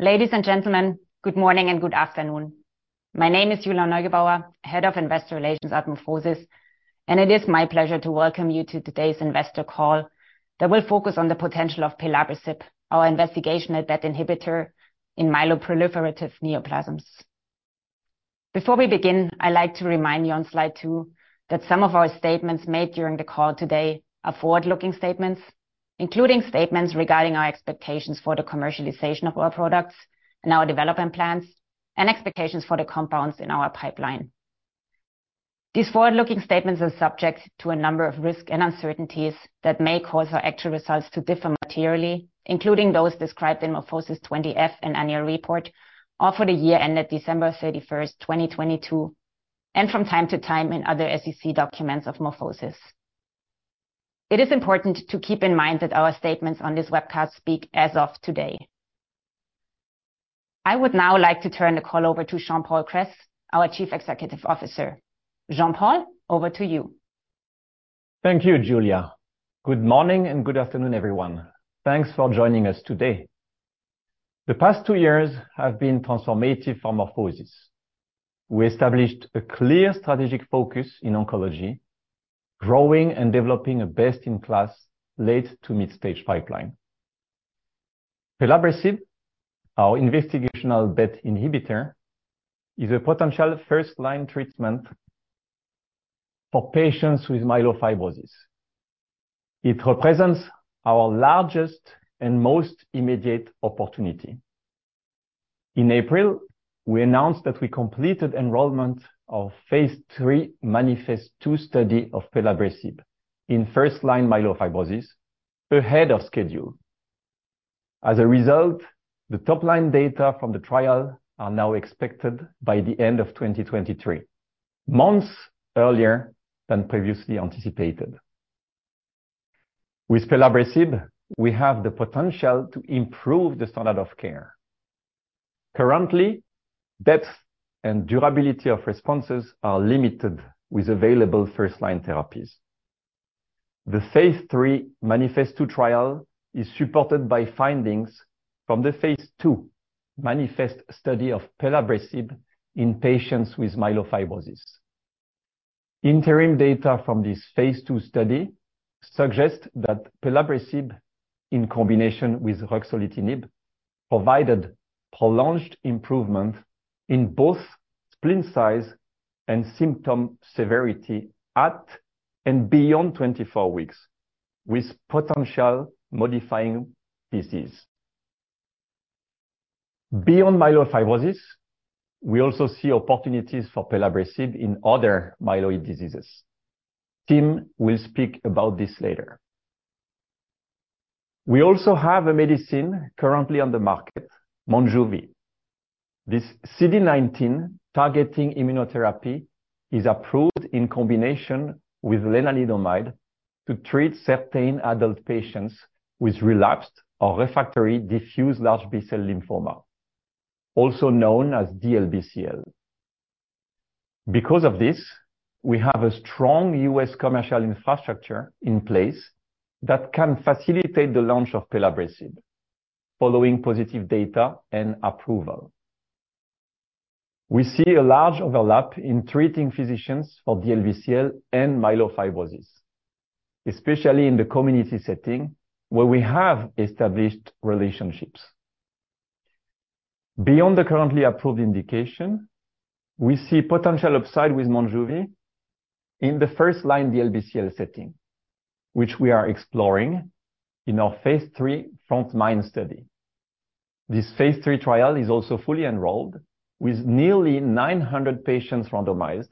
Ladies and gentlemen, good morning and good afternoon. My name is Julia Neugebauer, Head of Investor Relations at MorphoSys. It is my pleasure to welcome you to today's investor call, that will focus on the potential of pelabresib, our investigational BET inhibitor in myeloproliferative neoplasms. Before we begin, I'd like to remind you on slide two, that some of our statements made during the call today are forward-looking statements, including statements regarding our expectations for the commercialization of our products and our development plans and expectations for the compounds in our pipeline. These forward-looking statements are subject to a number of risks and uncertainties that may cause our actual results to differ materially, including those described in MorphoSys 20-F and annual report for the year ended December 31st, 2022, and from time to time in other SEC documents of MorphoSys. It is important to keep in mind that our statements on this webcast speak as of today. I would now like to turn the call over to Jean-Paul Kress, our Chief Executive Officer. Jean-Paul, over to you. Thank you, Julia. Good morning and good afternoon, everyone. Thanks for joining us today. The past two years have been transformative for MorphoSys. We established a clear strategic focus in oncology, growing and developing a best-in-class late to mid-stage pipeline. Pelabresib, our investigational BET inhibitor, is a potential first-line treatment for patients with myelofibrosis. It represents our largest and most immediate opportunity. In April, we announced that we completed enrollment of Phase 3 MANIFEST-2 study of pelabresib in first-line myelofibrosis ahead of schedule. As a result, the top-line data from the trial are now expected by the end of 2023, months earlier than previously anticipated. With pelabresib, we have the potential to improve the standard of care. Currently, depth and durability of responses are limited with available first-line therapies. The Phase 3 MANIFEST-2 trial is supported by findings from the Phase 2 MANIFEST study of pelabresib in patients with myelofibrosis. Interim data from this Phase 2 study suggests that pelabresib, in combination with ruxolitinib, provided prolonged improvement in both spleen size and symptom severity at and beyond 24 weeks, with potential modifying disease. Beyond myelofibrosis, we also see opportunities for pelabresib in other myeloid diseases. Tim will speak about this later. We also have a medicine currently on the market, MONJUVI. This CD19 targeting immunotherapy is approved in combination with lenalidomide to treat certain adult patients with relapsed or refractory diffuse large B-cell lymphoma, also known as DLBCL. Because of this, we have a strong U.S. commercial infrastructure in place that can facilitate the launch of pelabresib following positive data and approval. We see a large overlap in treating physicians for DLBCL and myelofibrosis, especially in the community setting where we have established relationships. Beyond the currently approved indication, we see potential upside with MONJUVI in the first-line DLBCL setting, which we are exploring in our Phase 3 Frontline study. This Phase 3 trial is also fully enrolled, with nearly 900 patients randomized,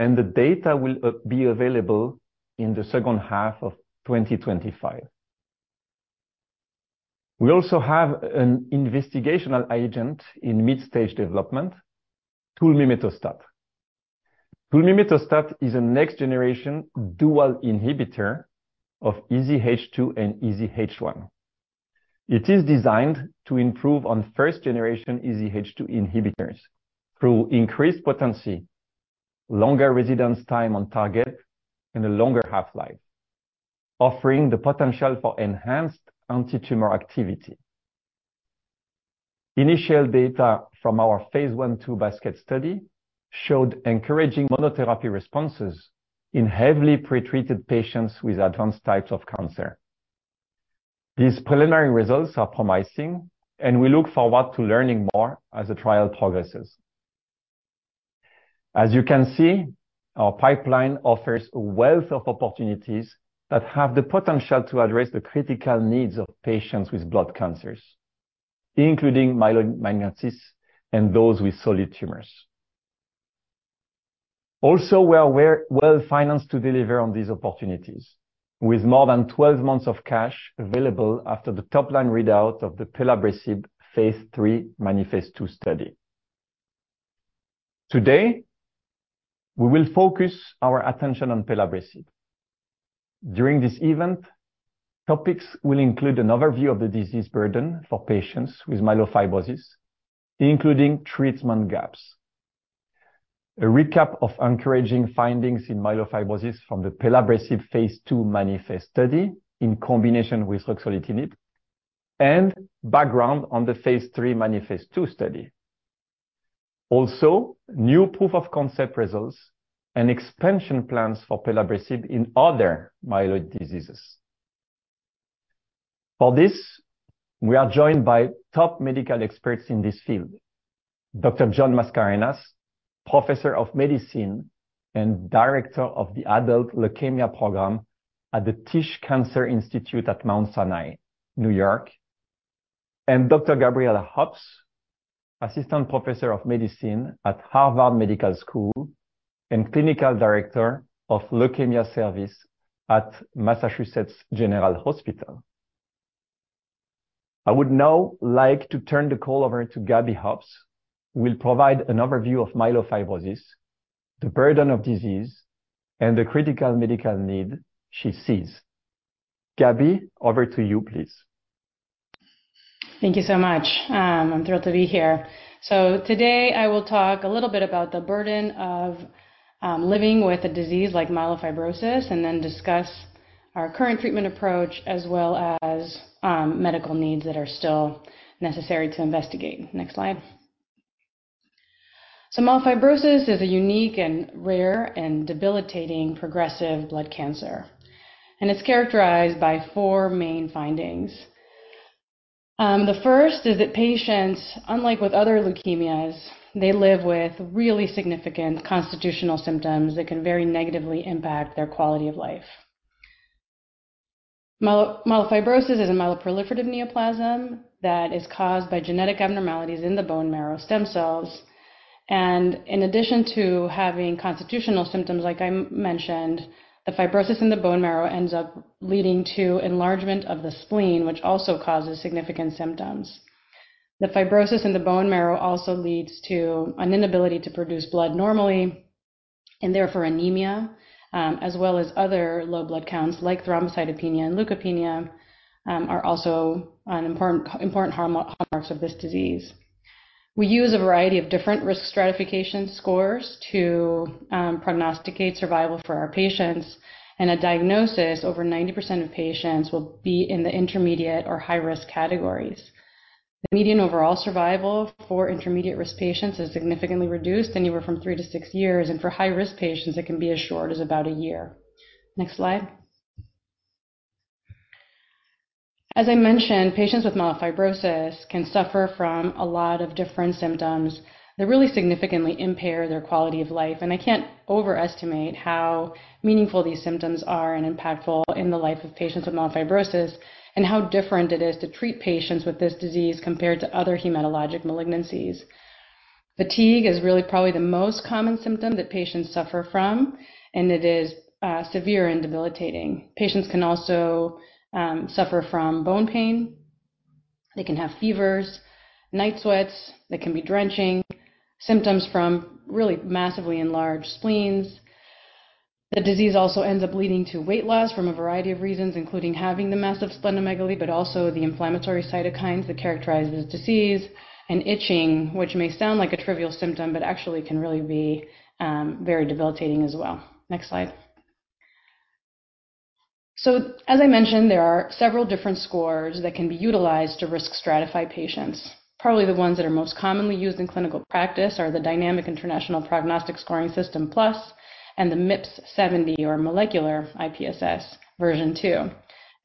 and the data will be available in the second half of 2025. We also have an investigational agent in mid-stage development, tulmimetostat. tulmimetostat is a next-generation dual inhibitor of EZH2 and EZH1. It is designed to improve on first-generation EZH2 inhibitors through increased potency, longer residence time on target, and a longer half-life, offering the potential for enhanced antitumor activity. Initial data from our Phase 1/2 basket study showed encouraging monotherapy responses in heavily pre-treated patients with advanced types of cancer. These preliminary results are promising, and we look forward to learning more as the trial progresses. As you can see, our pipeline offers a wealth of opportunities that have the potential to address the critical needs of patients with blood cancers, including myeloid malignancies and those with solid tumors. We are well-financed to deliver on these opportunities, with more than 12 months of cash available after the top-line readout of the pelabresib Phase 3 MANIFEST-2 study. Today, we will focus our attention on pelabresib. During this event, topics will include an overview of the disease burden for patients with myelofibrosis, including treatment gaps.... a recap of encouraging findings in myelofibrosis from the pelabresib Phase 2 MANIFEST study in combination with ruxolitinib, and background on the Phase 3 MANIFEST-2 study. New proof of concept results and expansion plans for pelabresib in other myeloid diseases. For this, we are joined by top medical experts in this field, Dr. John Mascarenhas, Professor of Medicine and Director of the Adult Leukemia Program at the Tisch Cancer Institute at Mount Sinai, New York, and Dr. Gabriela Hobbs, Assistant Professor of Medicine at Harvard Medical School and Clinical Director of Leukemia Service at Massachusetts General Hospital. I would now like to turn the call over to Gabby Hobbs, who will provide an overview of myelofibrosis, the burden of disease, and the critical medical need she sees. Gabby, over to you, please. Thank you so much. I'm thrilled to be here. Today I will talk a little bit about the burden of living with a disease like myelofibrosis, and then discuss our current treatment approach, as well as medical needs that are still necessary to investigate. Next slide. Myelofibrosis is a unique and rare and debilitating progressive blood cancer, and it's characterized by four main findings. The first is that patients, unlike with other leukemias, they live with really significant constitutional symptoms that can very negatively impact their quality of life. Myelofibrosis is a myeloproliferative neoplasm that is caused by genetic abnormalities in the bone marrow stem cells. In addition to having constitutional symptoms, like I mentioned, the fibrosis in the bone marrow ends up leading to enlargement of the spleen, which also causes significant symptoms. The fibrosis in the bone marrow also leads to an inability to produce blood normally, and therefore anemia, as well as other low blood counts, like thrombocytopenia and leukopenia, are also an important hallmarks of this disease. We use a variety of different risk stratification scores to prognosticate survival for our patients. In a diagnosis, over 90% of patients will be in the intermediate or high-risk categories. The median overall survival for intermediate risk patients is significantly reduced, anywhere from 3 years-6 years, and for high-risk patients, it can be as short as about a year. Next slide. As I mentioned, patients with myelofibrosis can suffer from a lot of different symptoms that really significantly impair their quality of life. I can't overestimate how meaningful these symptoms are and impactful in the life of patients with myelofibrosis, and how different it is to treat patients with this disease compared to other hematologic malignancies. Fatigue is really probably the most common symptom that patients suffer from, and it is severe and debilitating. Patients can also suffer from bone pain. They can have fevers, night sweats that can be drenching, symptoms from really massively enlarged spleens. The disease also ends up leading to weight loss from a variety of reasons, including having the massive splenomegaly, but also the inflammatory cytokines that characterize this disease, and itching, which may sound like a trivial symptom, but actually can really be very debilitating as well. Next slide. As I mentioned, there are several different scores that can be utilized to risk stratify patients. Probably the ones that are most commonly used in clinical practice are the Dynamic International Prognostic Scoring System-Plus, and the MIPSS70 or molecular IPSS version 2.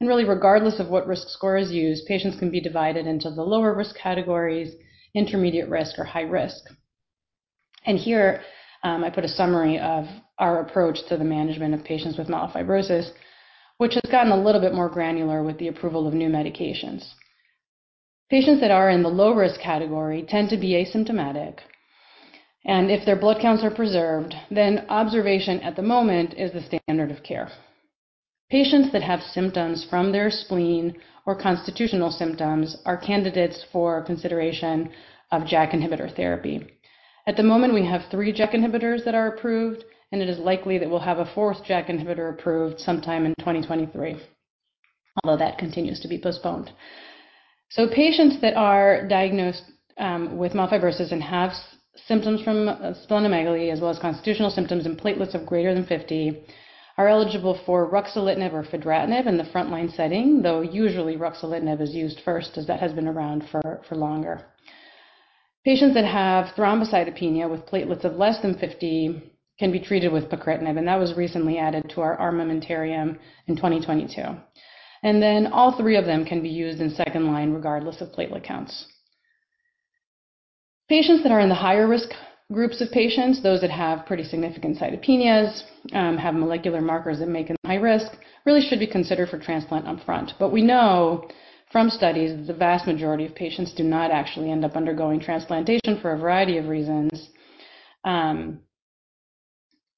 Really, regardless of what risk score is used, patients can be divided into the lower risk categories, intermediate risk, or high risk. Here, I put a summary of our approach to the management of patients with myelofibrosis, which has gotten a little bit more granular with the approval of new medications. Patients that are in the low-risk category tend to be asymptomatic, and if their blood counts are preserved, then observation at the moment is the standard of care. Patients that have symptoms from their spleen or constitutional symptoms are candidates for consideration of JAK inhibitor therapy. At the moment, we have three JAK inhibitors that are approved, and it is likely that we'll have a fourth JAK inhibitor approved sometime in 2023, although that continues to be postponed. Patients that are diagnosed with myelofibrosis and have symptoms from splenomegaly as well as constitutional symptoms and platelets of greater than 50, are eligible for ruxolitinib or fedratinib in the frontline setting, though usually ruxolitinib is used first, as that has been around for longer. Patients that have thrombocytopenia with platelets of less than 50 can be treated with pacritinib, and that was recently added to our armamentarium in 2022. All three of them can be used in second line, regardless of platelet counts. Patients that are in the higher risk groups of patients, those that have pretty significant cytopenias, have molecular markers that make them high risk, really should be considered for transplant upfront. We know from studies that the vast majority of patients do not actually end up undergoing transplantation for a variety of reasons.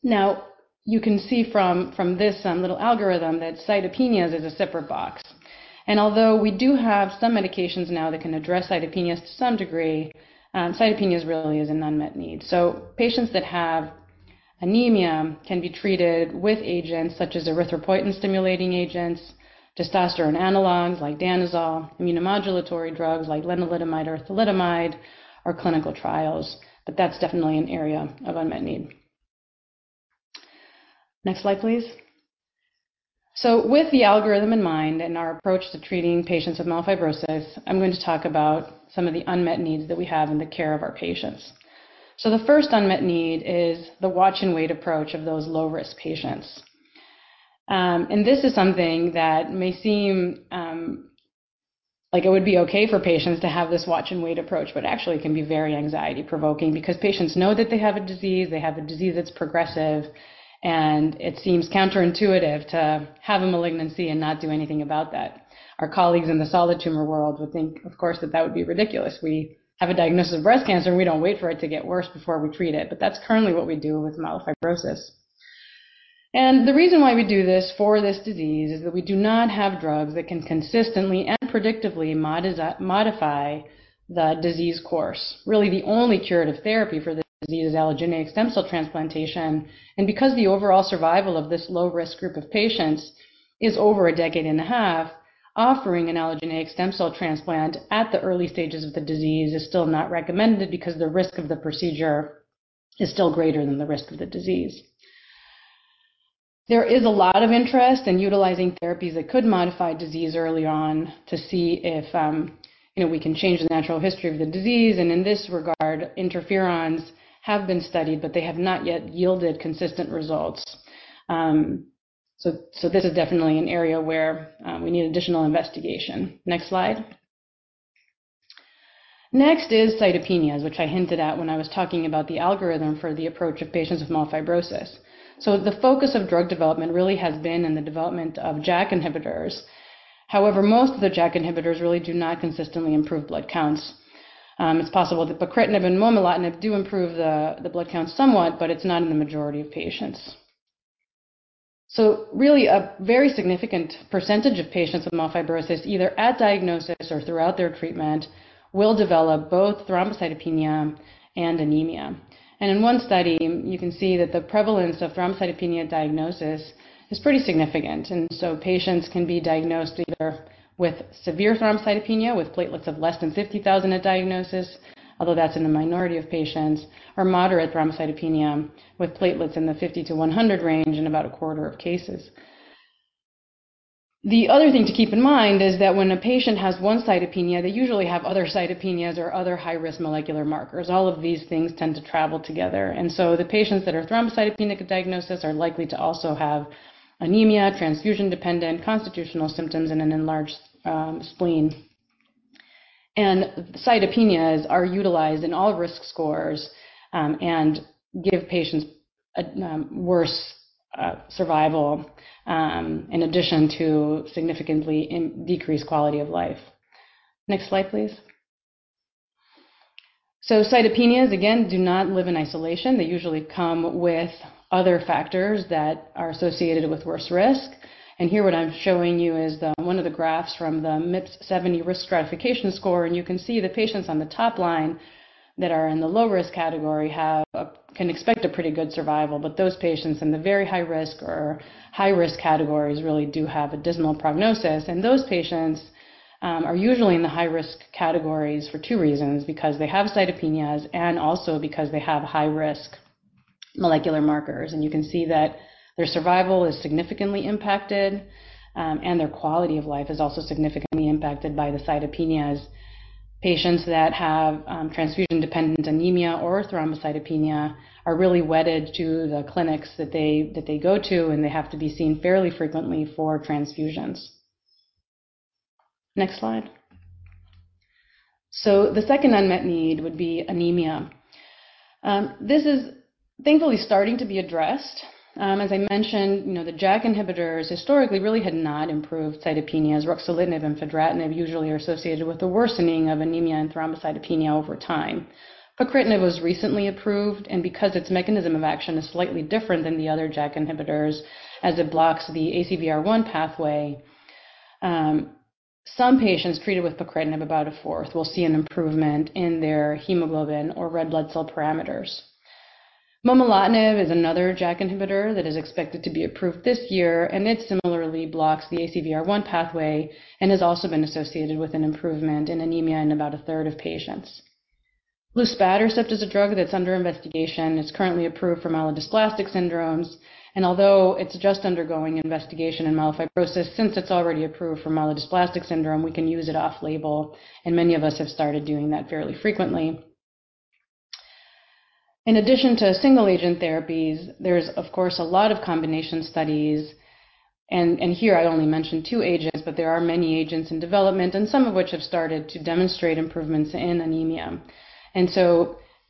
Now, you can see from this, little algorithm that cytopenias is a separate box. Although we do have some medications now that can address cytopenias to some degree, cytopenias really is an unmet need. Anemia can be treated with agents such as erythropoietin-stimulating agents, testosterone analogs like danazol, immunomodulatory drugs like lenalidomide or thalidomide, or clinical trials. That's definitely an area of unmet need. Next slide, please. With the algorithm in mind and our approach to treating patients with myelofibrosis, I'm going to talk about some of the unmet needs that we have in the care of our patients. The first unmet need is the watch and wait approach of those low-risk patients. And this is something that may seem like it would be okay for patients to have this watch and wait approach, but actually it can be very anxiety-provoking because patients know that they have a disease, they have a disease that's progressive, and it seems counterintuitive to have a malignancy and not do anything about that. Our colleagues in the solid tumor world would think, of course, that that would be ridiculous. We have a diagnosis of breast cancer, and we don't wait for it to get worse before we treat it, but that's currently what we do with myelofibrosis. The reason why we do this for this disease is that we do not have drugs that can consistently and predictably modify the disease course. Really, the only curative therapy for this disease is allogeneic stem cell transplantation. Because the overall survival of this low-risk group of patients is over a decade and a half, offering an allogeneic stem cell transplant at the early stages of the disease is still not recommended because the risk of the procedure is still greater than the risk of the disease. There is a lot of interest in utilizing therapies that could modify disease early on to see if, you know, we can change the natural history of the disease. In this regard, interferons have been studied, but they have not yet yielded consistent results. This is definitely an area where we need additional investigation. Next slide. Next is cytopenias, which I hinted at when I was talking about the algorithm for the approach of patients with myelofibrosis. The focus of drug development really has been in the development of JAK inhibitors. However, most of the JAK inhibitors really do not consistently improve blood counts. It's possible that pacritinib and momelotinib do improve the blood count somewhat, but it's not in the majority of patients. Really, a very significant % of patients with myelofibrosis, either at diagnosis or throughout their treatment, will develop both thrombocytopenia and anemia. In one study, you can see that the prevalence of thrombocytopenia diagnosis is pretty significant. Patients can be diagnosed either with severe thrombocytopenia, with platelets of less than 50,000 at diagnosis, although that's in a minority of patients, or moderate thrombocytopenia, with platelets in the 50-100 range in about a quarter of cases. The other thing to keep in mind is that when a patient has one cytopenia, they usually have other cytopenias or other high-risk molecular markers. All of these things tend to travel together. The patients that are thrombocytopenic at diagnosis are likely to also have anemia, transfusion-dependent, constitutional symptoms, and an enlarged spleen. Cytopenias are utilized in all risk scores and give patients a worse survival, in addition to significantly decreased quality of life. Next slide, please. Cytopenias, again, do not live in isolation. They usually come with other factors that are associated with worse risk. Here what I'm showing you is the, one of the graphs from the MIPSS70 risk stratification score. You can see the patients on the top line that are in the low-risk category can expect a pretty good survival, but those patients in the very high-risk or high-risk categories really do have a dismal prognosis. Those patients are usually in the high-risk categories for two reasons: because they have cytopenias and also because they have high-risk molecular markers. You can see that their survival is significantly impacted, and their quality of life is also significantly impacted by the cytopenias. Patients that have transfusion-dependent anemia or thrombocytopenia are really wedded to the clinics that they, that they go to, and they have to be seen fairly frequently for transfusions. Next slide. The second unmet need would be anemia. This is thankfully starting to be addressed. As I mentioned, you know, the JAK inhibitors historically really had not improved cytopenias. Ruxolitinib and fedratinib usually are associated with the worsening of anemia and thrombocytopenia over time. Pacritinib was recently approved, and because its mechanism of action is slightly different than the other JAK inhibitors, as it blocks the ACVR1 pathway, some patients treated with pacritinib, about a fourth, will see an improvement in their hemoglobin or red blood cell parameters. Momelotinib is another JAK inhibitor that is expected to be approved this year, and it similarly blocks the ACVR1 pathway and has also been associated with an improvement in anemia in about a third of patients. Luspatercept is a drug that's under investigation. It's currently approved for myelodysplastic syndromes, and although it's just undergoing investigation in myelofibrosis, since it's already approved for myelodysplastic syndrome, we can use it off-label, and many of us have started doing that fairly frequently. In addition to single-agent therapies, there's, of course, a lot of combination studies, and here I only mentioned two agents, but there are many agents in development, and some of which have started to demonstrate improvements in anemia.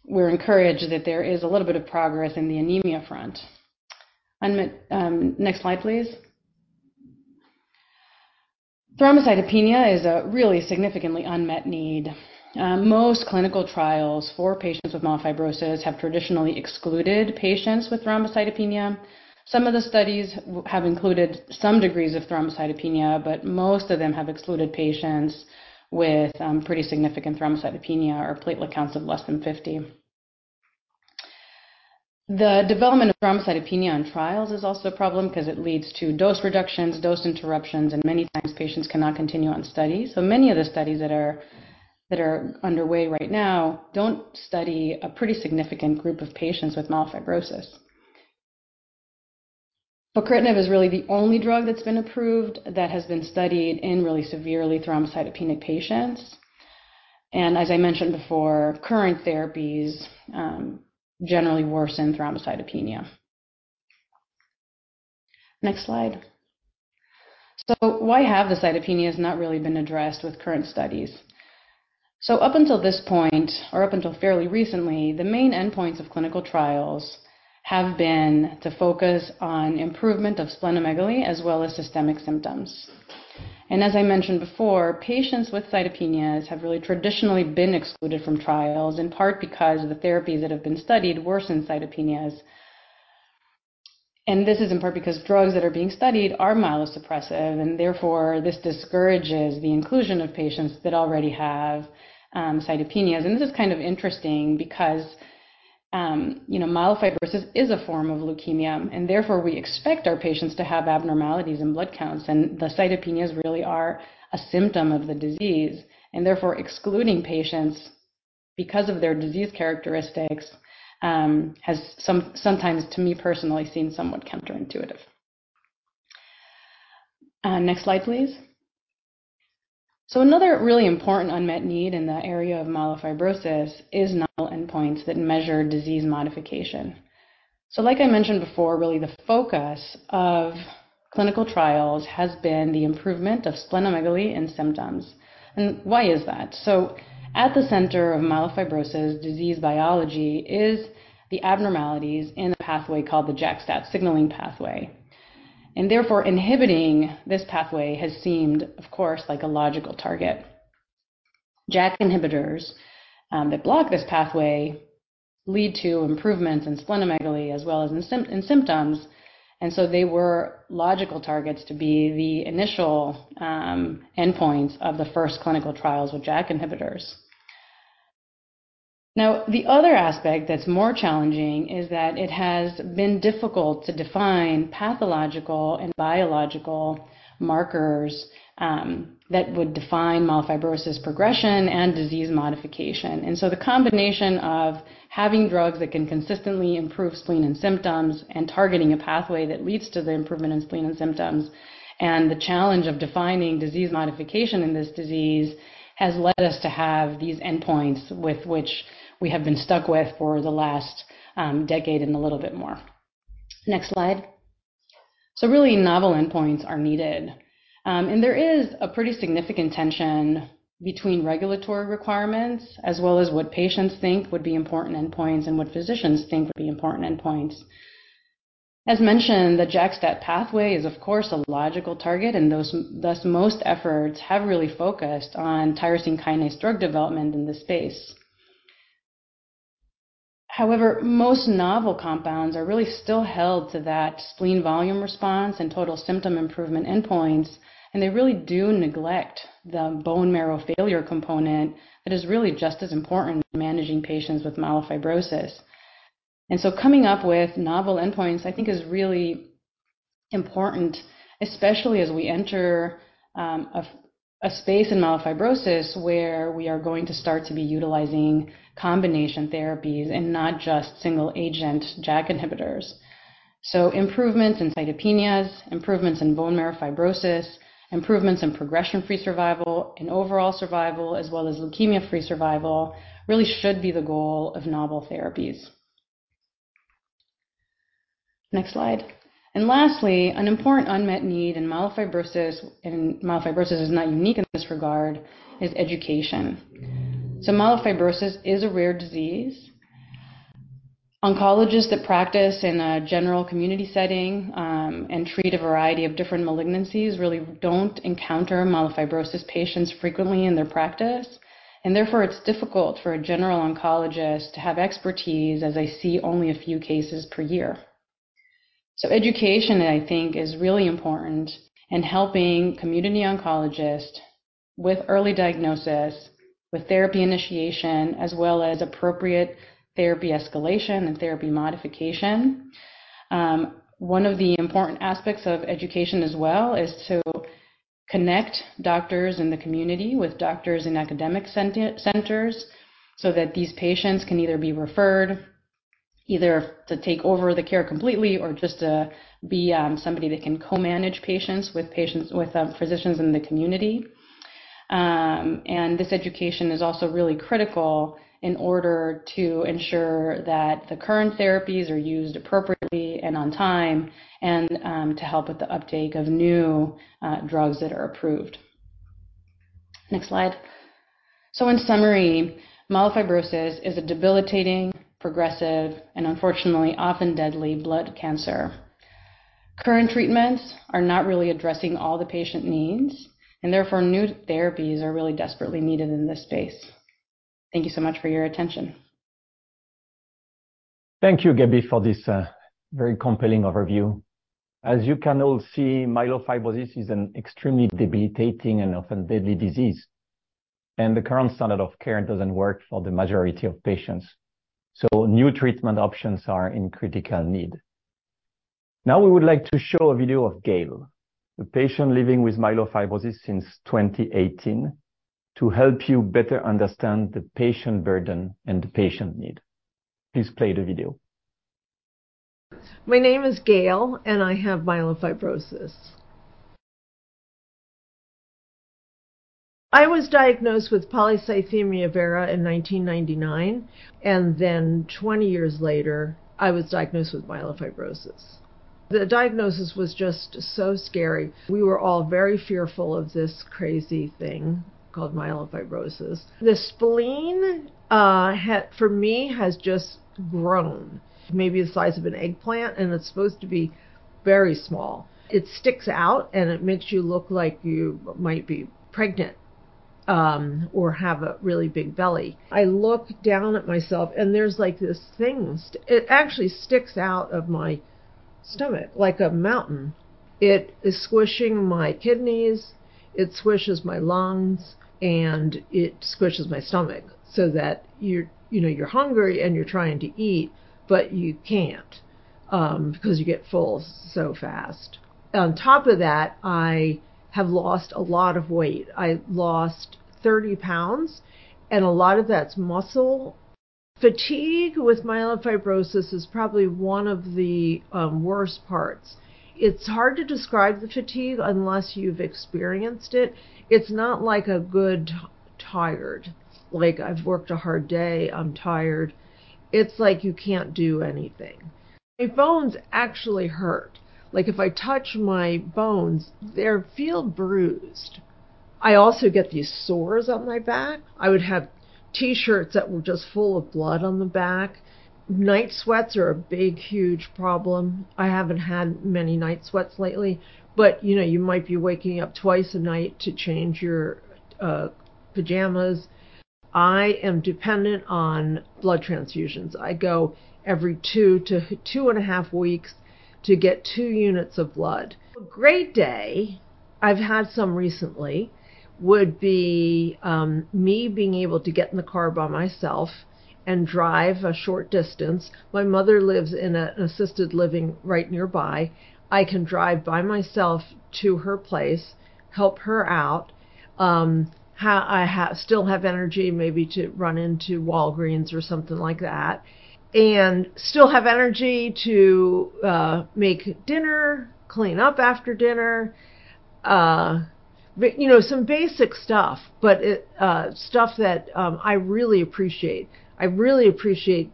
We're encouraged that there is a little bit of progress in the anemia front. Unmet, next slide, please. Thrombocytopenia is a really significantly unmet need. Most clinical trials for patients with myelofibrosis have traditionally excluded patients with thrombocytopenia. Some of the studies have included some degrees of thrombocytopenia, but most of them have excluded patients with pretty significant thrombocytopenia or platelet counts of less than 50. The development of thrombocytopenia on trials is also a problem 'cause it leads to dose reductions, dose interruptions, and many times patients cannot continue on studies. Many of the studies that are underway right now don't study a pretty significant group of patients with myelofibrosis. Pacritinib is really the only drug that's been approved that has been studied in really severely thrombocytopenic patients. As I mentioned before, current therapies generally worsen thrombocytopenia. Next slide. Why have the cytopenias not really been addressed with current studies? Up until this point, or up until fairly recently, the main endpoints of clinical trials have been to focus on improvement of splenomegaly as well as systemic symptoms. As I mentioned before, patients with cytopenias have really traditionally been excluded from trials, in part because the therapies that have been studied worsen cytopenias. This is in part because drugs that are being studied are myelosuppressive, and therefore, this discourages the inclusion of patients that already have cytopenias. This is kind of interesting because, you know, myelofibrosis is a form of leukemia, and therefore, we expect our patients to have abnormalities in blood counts, and the cytopenias really are a symptom of the disease. Therefore, excluding patients because of their disease characteristics, has sometimes, to me personally, seemed somewhat counterintuitive. Next slide, please. Another really important unmet need in the area of myelofibrosis is novel endpoints that measure disease modification. Like I mentioned before, really the focus of clinical trials has been the improvement of splenomegaly and symptoms. Why is that? At the center of myelofibrosis disease biology is the abnormalities in a pathway called the JAK-STAT signaling pathway, and therefore inhibiting this pathway has seemed, of course, like a logical target. JAK inhibitors that block this pathway lead to improvements in splenomegaly as well as in symptoms, and they were logical targets to be the initial endpoints of the first clinical trials with JAK inhibitors. The other aspect that's more challenging is that it has been difficult to define pathological and biological markers that would define myelofibrosis progression and disease modification. The combination of having drugs that can consistently improve spleen and symptoms, and targeting a pathway that leads to the improvement in spleen and symptoms, and the challenge of defining disease modification in this disease, has led us to have these endpoints with which we have been stuck with for the last decade and a little bit more. Next slide. Really, novel endpoints are needed. There is a pretty significant tension between regulatory requirements as well as what patients think would be important endpoints and what physicians think would be important endpoints. As mentioned, the JAK-STAT pathway is, of course, a logical target, and those, thus, most efforts have really focused on tyrosine kinase drug development in this space. However, most novel compounds are really still held to that spleen volume response and total symptom improvement endpoints, and they really do neglect the bone marrow failure component that is really just as important in managing patients with myelofibrosis. Coming up with novel endpoints, I think, is really important, especially as we enter a space in myelofibrosis where we are going to start to be utilizing combination therapies and not just single-agent JAK inhibitors. Improvements in cytopenias, improvements in bone marrow fibrosis, improvements in progression-free survival and overall survival, as well as leukemia-free survival, really should be the goal of novel therapies. Next slide. Lastly, an important unmet need in myelofibrosis, and myelofibrosis is not unique in this regard, is education. Myelofibrosis is a rare disease. Oncologists that practice in a general community setting, and treat a variety of different malignancies, really don't encounter myelofibrosis patients frequently in their practice, and therefore, it's difficult for a general oncologist to have expertise, as they see only a few cases per year. Education, I think, is really important in helping community oncologists with early diagnosis, with therapy initiation, as well as appropriate therapy escalation and therapy modification. One of the important aspects of education as well is to connect doctors in the community with doctors in academic centers, so that these patients can either be referred, either to take over the care completely or just to be, somebody that can co-manage patients with patients with physicians in the community. This education is also really critical in order to ensure that the current therapies are used appropriately and on time, and to help with the uptake of new drugs that are approved. Next slide. In summary, myelofibrosis is a debilitating, progressive, and unfortunately, often deadly blood cancer. Current treatments are not really addressing all the patient needs, and therefore, new therapies are really desperately needed in this space. Thank you so much for your attention. Thank you, Gabby, for this very compelling overview. As you can all see, myelofibrosis is an extremely debilitating and often deadly disease. The current standard of care doesn't work for the majority of patients. New treatment options are in critical need. Now we would like to show a video of Gail, a patient living with myelofibrosis since 2018, to help you better understand the patient burden and the patient need. Please play the video. My name is Gail, and I have myelofibrosis. I was diagnosed with polycythemia vera in 1999, and then 20 years later, I was diagnosed with myelofibrosis. The diagnosis was just so scary. We were all very fearful of this crazy thing called myelofibrosis. The spleen, for me, has just grown, maybe the size of an eggplant, and it's supposed to be very small. It sticks out, and it makes you look like you might be pregnant or have a really big belly. I look down at myself, and there's, like, this thing. It actually sticks out of my stomach like a mountain. It is squishing my kidneys, it squishes my lungs, and it squishes my stomach, so that you're, you know, you're hungry and you're trying to eat, but you can't because you get full so fast. On top of that, I have lost a lot of weight. I lost 30 pounds, and a lot of that's muscle. Fatigue with myelofibrosis is probably one of the worst parts. It's hard to describe the fatigue unless you've experienced it. It's not like a good tired, like, "I've worked a hard day, I'm tired." It's like you can't do anything. My bones actually hurt. Like, if I touch my bones, they feel bruised. I also get these sores on my back. I would have T-shirts that were just full of blood on the back. Night sweats are a big, huge problem. I haven't had many night sweats lately, but, you know, you might be waking up twice a night to change your pajamas. I am dependent on blood transfusions. I go every 2 to 2 and a half weeks to get 2 units of blood. A great day, I've had some recently, would be, me being able to get in the car by myself and drive a short distance. My mother lives in a assisted living right nearby. I can drive by myself to her place, help her out, I still have energy maybe to run into Walgreens or something like that, and still have energy to make dinner, clean up after dinner. You know, some basic stuff, but it, stuff that I really appreciate. I really appreciate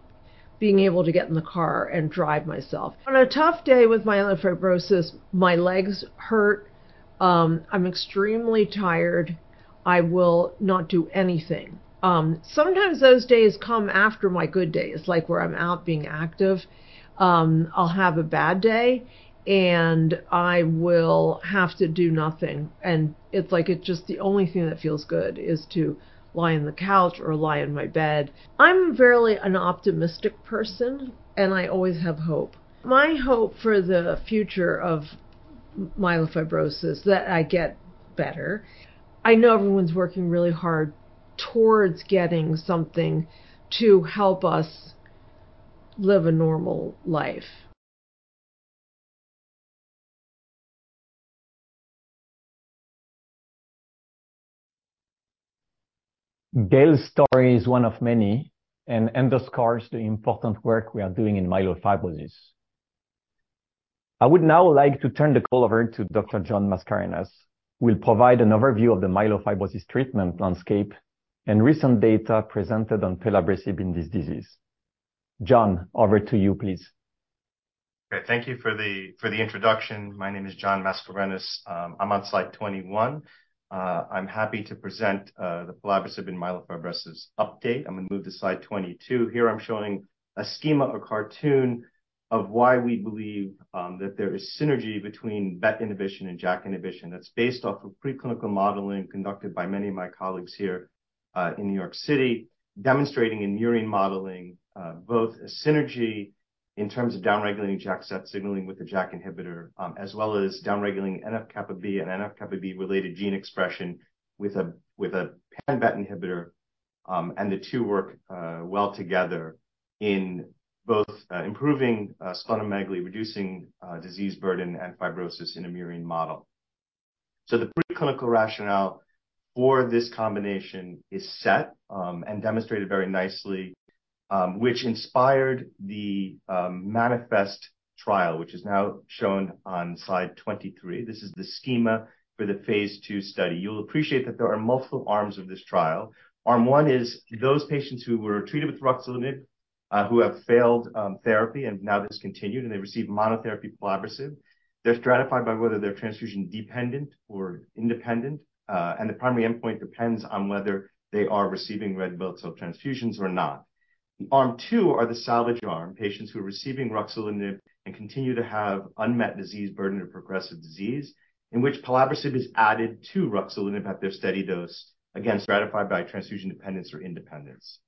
being able to get in the car and drive myself. On a tough day with myelofibrosis, my legs hurt, I'm extremely tired. I will not do anything. Sometimes those days come after my good days, like, where I'm out being active. I'll have a bad day, and I will have to do nothing, and it's like it's just the only thing that feels good is to lie on the couch or lie in my bed. I'm fairly an optimistic person, and I always have hope. My hope for the future of myelofibrosis, that I get better. I know everyone's working really hard towards getting something to help us live a normal life. Gail's story is one of many and underscores the important work we are doing in myelofibrosis. I would now like to turn the call over to Dr. John Mascarenhas, who will provide an overview of the myelofibrosis treatment landscape and recent data presented on pelabresib in this disease. John, over to you, please. Okay, thank you for the introduction. My name is John Mascarenhas. I'm on slide 21. I'm happy to present the pelabresib in myelofibrosis update. I'm gonna move to slide 22. Here I'm showing a schema or cartoon of why we believe that there is synergy between BET inhibition and JAK inhibition. That's based off of preclinical modeling conducted by many of my colleagues here in New York City, demonstrating in murine modeling both a synergy in terms of downregulating JAK-STAT signaling with a JAK inhibitor, as well as downregulating NF-kappa B and NF-kappa B-related gene expression with a, with a pan BET inhibitor. The two work well together in both improving splenomegaly, reducing disease burden and fibrosis in a murine model. The preclinical rationale for this combination is set and demonstrated very nicely, which inspired the MANIFEST trial, which is now shown on slide 23. This is the schema for the Phase 2 study. You'll appreciate that there are multiple arms of this trial. Arm 1 is those patients who were treated with ruxolitinib, who have failed therapy and now discontinued, and they receive monotherapy pelabresib. They're stratified by whether they're transfusion-dependent or independent, and the primary endpoint depends on whether they are receiving red blood cell transfusions or not. The Arm 2 are the salvage arm, patients who are receiving ruxolitinib and continue to have unmet disease burden or progressive disease, in which pelabresib is added to ruxolitinib at their steady dose, again, stratified by transfusion dependence or independence.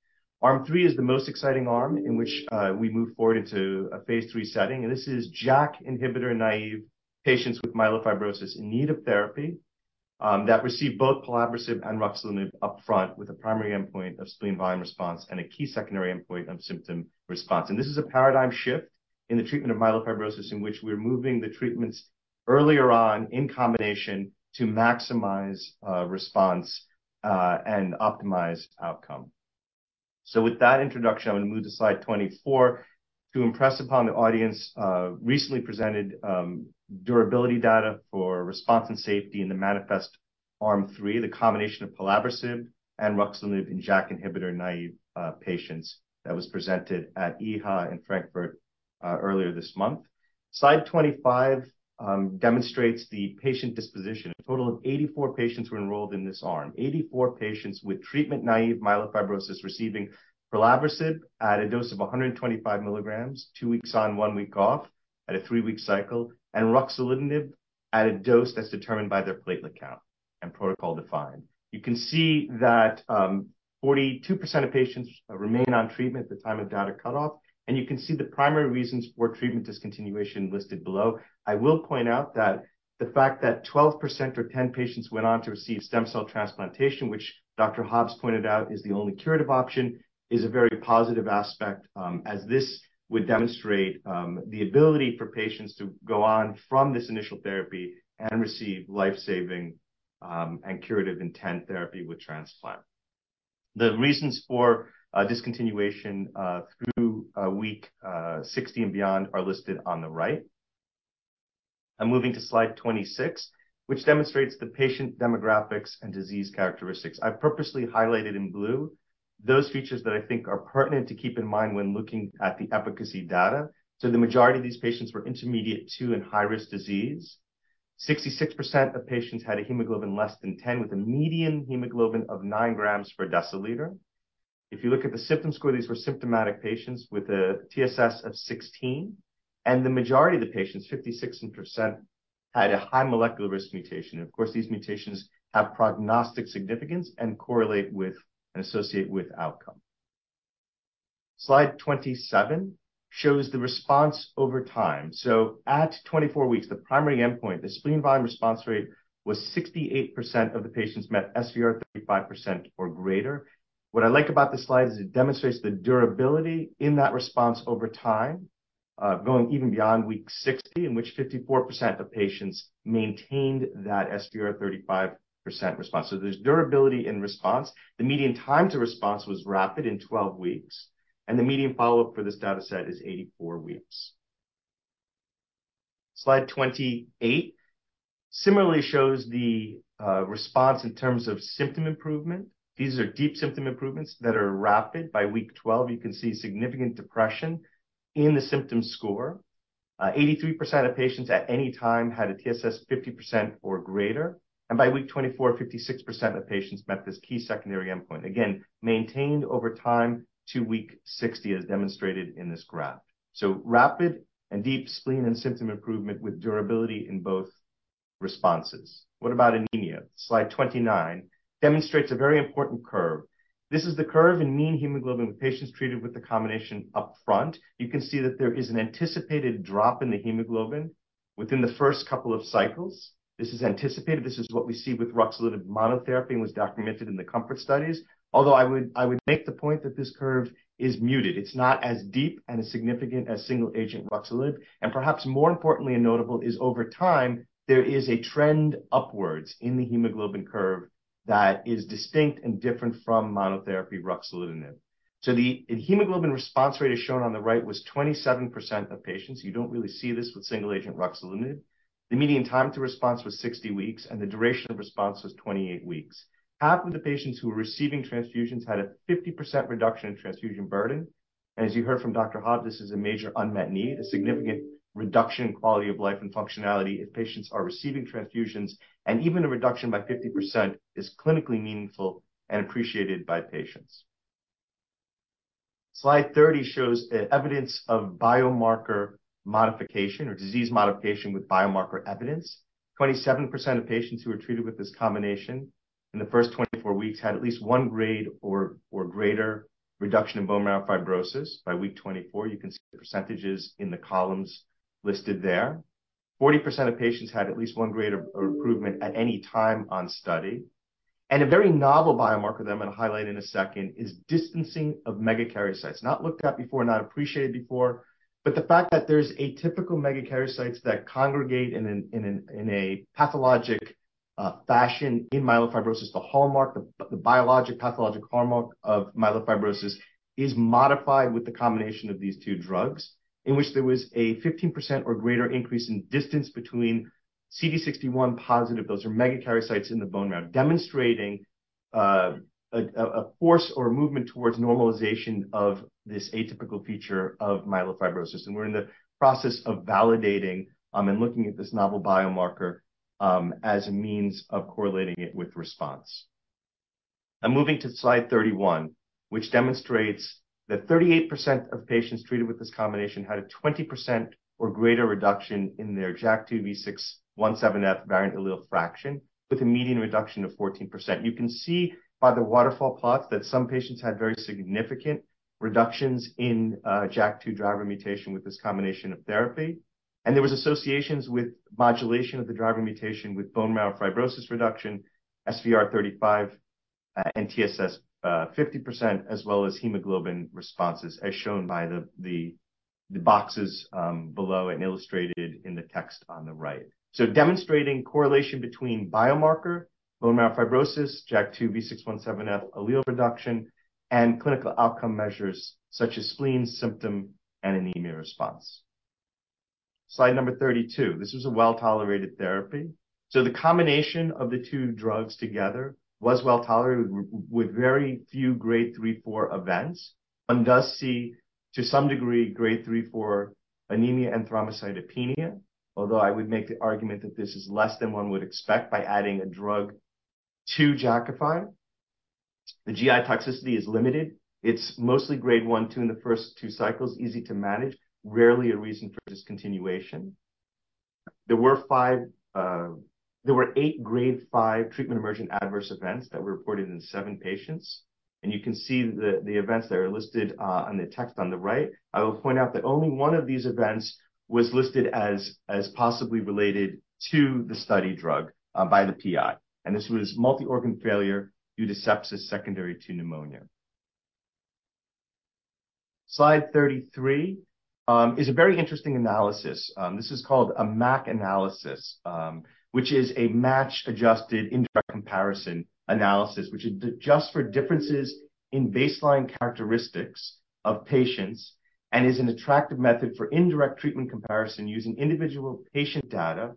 Arm 3 is the most exciting arm in which we move forward into a Phase 3 setting, and this is JAK inhibitor-naive patients with myelofibrosis in need of therapy, that receive both pelabresib and ruxolitinib upfront, with a primary endpoint of spleen volume response and a key secondary endpoint of symptom response. This is a paradigm shift in the treatment of myelofibrosis, in which we're moving the treatments earlier on in combination to maximize response and optimize outcome. With that introduction, I'm gonna move to slide 24 to impress upon the audience, recently presented durability data for response and safety in the MANIFEST arm 3, the combination of pelabresib and ruxolitinib in JAK inhibitor-naive patients, that was presented at EHA in Frankfurt earlier this month. Slide 25 demonstrates the patient disposition. A total of 84 patients were enrolled in this arm. 84 patients with treatment-naive myelofibrosis, receiving pelabresib at a dose of 125 milligrams, two weeks on, one week off, at a three-week cycle, and ruxolitinib at a dose that's determined by their platelet count and protocol-defined. You can see that 42% of patients remain on treatment at the time of data cutoff, and you can see the primary reasons for treatment discontinuation listed below. I will point out that the fact that 12% or 10 patients went on to receive stem cell transplantation, which Dr. Hobbs pointed out is the only curative option, is a very positive aspect, as this would demonstrate the ability for patients to go on from this initial therapy and receive life-saving and curative intent therapy with transplant. The reasons for discontinuation through week 60 and beyond are listed on the right. I'm moving to slide 26, which demonstrates the patient demographics and disease characteristics. I've purposely highlighted in blue those features that I think are pertinent to keep in mind when looking at the efficacy data. The majority of these patients were intermediate to and high-risk disease. 66% of patients had a hemoglobin less than 10, with a median hemoglobin of 9 grams per deciliter. If you look at the symptom score, these were symptomatic patients with a TSS of 16, and the majority of the patients, 56%, had a high molecular risk mutation. Of course, these mutations have prognostic significance and correlate with and associate with outcome. Slide 27 shows the response over time. At 24 weeks, the primary endpoint, the spleen volume response rate, was 68% of the patients met SVR, 35% or greater. What I like about this slide is it demonstrates the durability in that response over time, going even beyond week 60, in which 54% of patients maintained that SVR 35% response. There's durability in response. The median time to response was rapid in 12 weeks, and the median follow-up for this data set is 84 weeks. Slide 28 similarly shows the response in terms of symptom improvement. These are deep symptom improvements that are rapid. By week 12, you can see significant depression in the symptom score. 83% of patients at any time had a TSS 50% or greater, and by week 24, 56% of patients met this key secondary endpoint. maintained over time to week 60, as demonstrated in this graph. Rapid and deep spleen and symptom improvement with durability in both responses. What about anemia? Slide 29 demonstrates a very important curve. This is the curve in mean hemoglobin with patients treated with the combination upfront. You can see that there is an anticipated drop in the hemoglobin within the first couple of cycles. This is anticipated. This is what we see with ruxolitinib monotherapy and was documented in the COMFORT studies. Although I would make the point that this curve is muted, it's not as deep and as significant as single-agent ruxolitinib. Perhaps more importantly and notable is, over time, there is a trend upwards in the hemoglobin curve that is distinct and different from monotherapy ruxolitinib. The hemoglobin response rate, as shown on the right, was 27% of patients. You don't really see this with single-agent ruxolitinib. The median time to response was 60 weeks, and the duration of response was 28 weeks. Half of the patients who were receiving transfusions had a 50% reduction in transfusion burden, and as you heard from Dr. Hobbs, this is a major unmet need, a significant reduction in quality of life and functionality if patients are receiving transfusions, and even a reduction by 50% is clinically meaningful and appreciated by patients. Slide 30 shows evidence of biomarker modification or disease modification with biomarker evidence. 27% of patients who were treated with this combination in the first 24 weeks had at least one grade or greater reduction in bone marrow fibrosis. By week 24, you can see the percentages in the columns listed there. 40% of patients had at least one grade of improvement at any time on study. A very novel biomarker that I'm gonna highlight in a second is distancing of megakaryocytes. Not looked at before, not appreciated before, the fact that there's atypical megakaryocytes that congregate in a pathologic fashion in myelofibrosis, the hallmark, the biologic pathologic hallmark of myelofibrosis, is modified with the combination of these two drugs, in which there was a 15% or greater increase in distance between CD61 positive. Those are megakaryocytes in the bone marrow, demonstrating a force or a movement towards normalization of this atypical feature of myelofibrosis. We're in the process of validating and looking at this novel biomarker as a means of correlating it with response. I'm moving to slide 31, which demonstrates that 38% of patients treated with this combination had a 20% or greater reduction in their JAK2 V617F variant allele fraction, with a median reduction of 14%. You can see by the waterfall plot that some patients had very significant reductions in JAK2 driver mutation with this combination of therapy, and there was associations with modulation of the driver mutation with bone marrow fibrosis reduction, SVR35, and TSS50, as well as hemoglobin responses, as shown by the boxes below and illustrated in the text on the right. Demonstrating correlation between biomarker, bone marrow fibrosis, JAK2 V617F allele reduction, and clinical outcome measures such as spleen symptom and anemia response. Slide number 32. This is a well-tolerated therapy. The combination of the two drugs together was well-tolerated with very few grade 3, 4 events. One does see, to some degree, grade 3 for anemia and thrombocytopenia, although I would make the argument that this is less than one would expect by adding a drug to Jakafi. The GI toxicity is limited. It's mostly grade 1, 2 in the first two cycles, easy to manage, rarely a reason for discontinuation. There were 8 grade 5 treatment emergent adverse events that were reported in 7 patients, and you can see the events that are listed on the text on the right. I will point out that only 1 of these events was listed as possibly related to the study drug by the PI, and this was multi-organ failure due to sepsis, secondary to pneumonia. Slide 33 is a very interesting analysis. This is called a MAIC analysis, which is a match adjusted indirect comparison analysis, which is to adjust for differences in baseline characteristics of patients and is an attractive method for indirect treatment comparison using individual patient data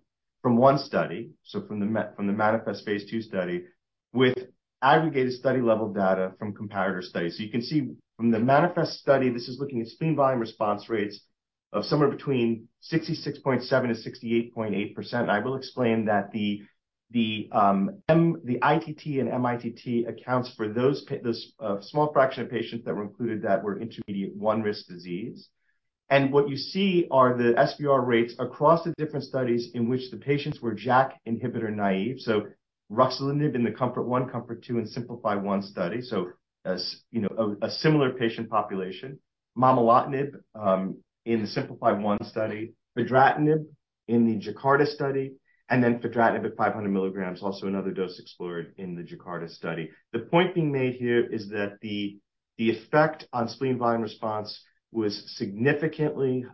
from 1 study, so from the MANIFEST Phase 2 study, with aggregated study-level data from comparator studies. You can see from the MANIFEST study, this is looking at spleen volume response rates of somewhere between 66.7%-68.8%. I will explain that the ITT and MITT accounts for those, uh, small fraction of patients that were included that were intermediate 1 risk disease. What you see are the SVR rates across the different studies in which the patients were JAK inhibitor naive, so ruxolitinib in the COMFORT-I, COMFORT-II, and SIMPLIFY-1 study, so as, you know, a similar patient population. Momelotinib, in the SIMPLIFY-1 study, fedratinib in the JAKARTA study, and then fedratinib at 500 milligrams, also another dose explored in the JAKARTA study. The point being made here is that the effect on spleen volume response was significantly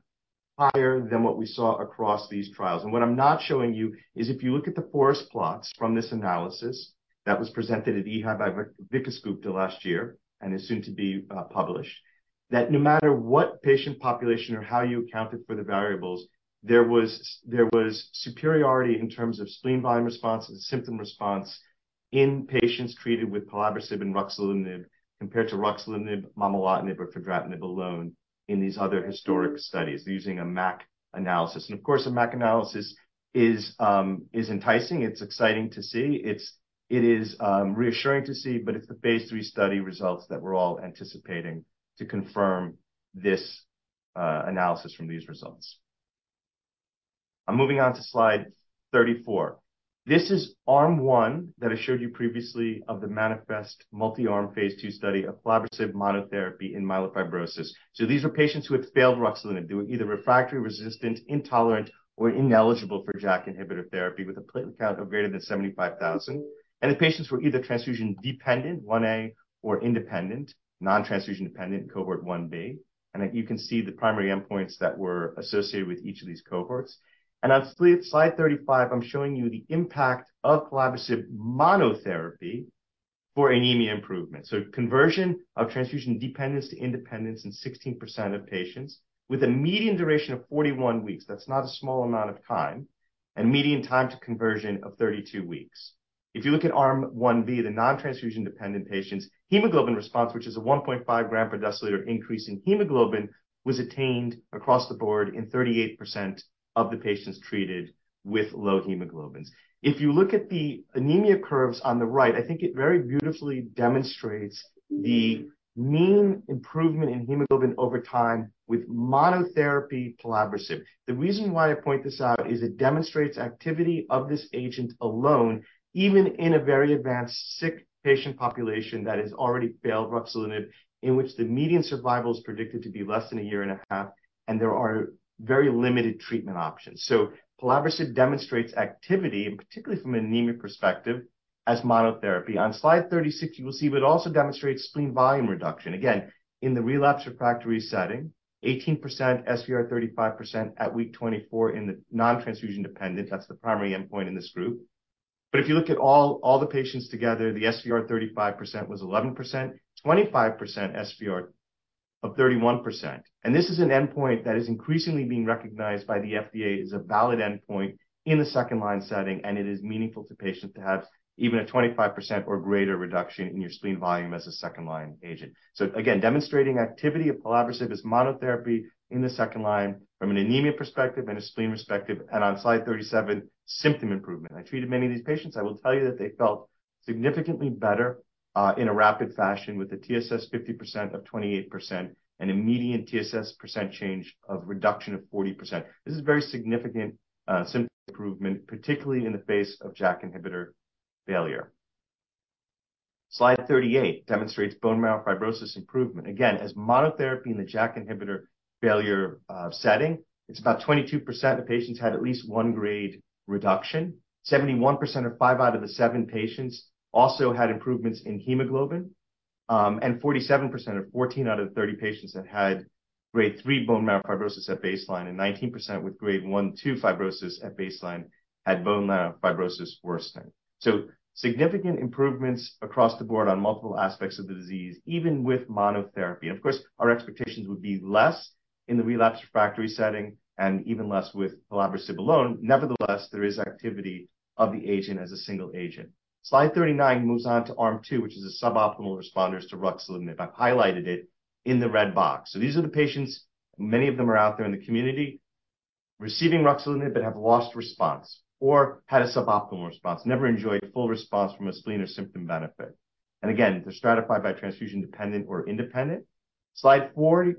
higher than what we saw across these trials. What I'm not showing you is if you look at the forest plots from this analysis that was presented at EHA by Vikas Gupta last year, and is soon to be published, that no matter what patient population or how you accounted for the variables, there was superiority in terms of spleen volume response and symptom response in patients treated with pelabresib and ruxolitinib, compared to ruxolitinib, momelotinib, or fedratinib alone in these other historic studies using a MAIC analysis. Of course, a MAIC analysis is enticing, it's exciting to see, it is reassuring to see, but it's the Phase 3 study results that we're all anticipating to confirm this analysis from these results. I'm moving on to slide 34. This is Arm 1 that I showed you previously of the MANIFEST multi-arm Phase 2 study of pelabresib monotherapy in myelofibrosis. These are patients who had failed ruxolitinib. They were either refractory, resistant, intolerant, or ineligible for JAK inhibitor therapy with a platelet count of greater than 75,000, and the patients were either transfusion-dependent, 1A, or independent, non-transfusion dependent, cohort 1B. You can see the primary endpoints that were associated with each of these cohorts. On slide 35, I'm showing you the impact of pelabresib monotherapy for anemia improvement. Conversion of transfusion dependence to independence in 16% of patients, with a median duration of 41 weeks, that's not a small amount of time, and median time to conversion of 32 weeks. If you look at Arm 1B, the non-transfusion dependent patients, hemoglobin response, which is a 1.5 gram/deciliter increase in hemoglobin, was attained across the board in 38% of the patients treated with low hemoglobins. If you look at the anemia curves on the right, I think it very beautifully demonstrates the mean improvement in hemoglobin over time with monotherapy pelabresib. The reason why I point this out is it demonstrates activity of this agent alone, even in a very advanced, sick patient population that has already failed ruxolitinib, in which the median survival is predicted to be less than 1.5 years, and there are very limited treatment options. Pelabresib demonstrates activity, and particularly from an anemia perspective, as monotherapy. On slide 36, you will see, but it also demonstrates spleen volume reduction. Again, in the relapse refractory setting, 18% SVR, 35% at week 24 in the non-transfusion dependent. That's the primary endpoint in this group. If you look at all the patients together, the SVR 35% was 11%, 25% SVR of 31%. This is an endpoint that is increasingly being recognized by the FDA as a valid endpoint in the second-line setting, and it is meaningful to patients to have even a 25% or greater reduction in your spleen volume as a second-line agent. Again, demonstrating activity of pelabresib as monotherapy in the second line from an anemia perspective and a spleen perspective, and on slide 37, symptom improvement. I treated many of these patients. I will tell you that they felt significantly better in a rapid fashion with a TSS 50% of 28% and a median TSS % change of reduction of 40%. This is a very significant symptom improvement, particularly in the face of JAK inhibitor failure. Slide 38 demonstrates bone marrow fibrosis improvement. Again, as monotherapy in the JAK inhibitor failure setting, it's about 22% of patients had at least 1 grade reduction. 71% or 5 out of the 7 patients also had improvements in hemoglobin, and 47% or 14 out of 30 patients that had grade 3 bone marrow fibrosis at baseline, and 19% with grade 1, 2 fibrosis at baseline had bone marrow fibrosis worsening. Significant improvements across the board on multiple aspects of the disease, even with monotherapy. Of course, our expectations would be less in the relapsed refractory setting and even less with pelabresib alone. Nevertheless, there is activity of the agent as a single agent. Slide 39 moves on to Arm 2, which is a suboptimal responders to ruxolitinib. I've highlighted it in the red box. These are the patients, many of them are out there in the community, receiving ruxolitinib but have lost response or had a suboptimal response, never enjoyed full response from a spleen or symptom benefit. Again, they're stratified by transfusion, dependent or independent. Slide 40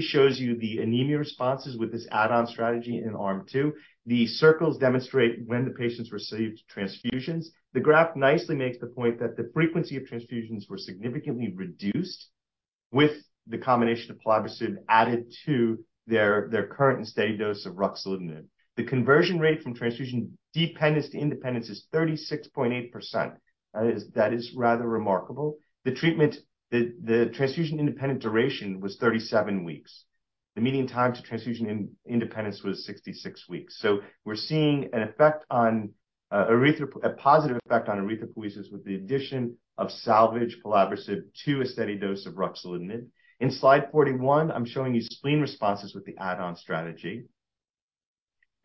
shows you the anemia responses with this add-on strategy in Arm 2. The circles demonstrate when the patients received transfusions. The graph nicely makes the point that the frequency of transfusions were significantly reduced with the combination of pelabresib added to their current and steady dose of ruxolitinib. The conversion rate from transfusion dependence to independence is 36.8%. That is rather remarkable. The treatment, the transfusion independent duration was 37 weeks. The median time to transfusion independence was 66 weeks. We're seeing an effect on erythropoietin, a positive effect on erythropoiesis with the addition of salvage pelabresib to a steady dose of ruxolitinib. In slide 41, I'm showing you spleen responses with the add-on strategy.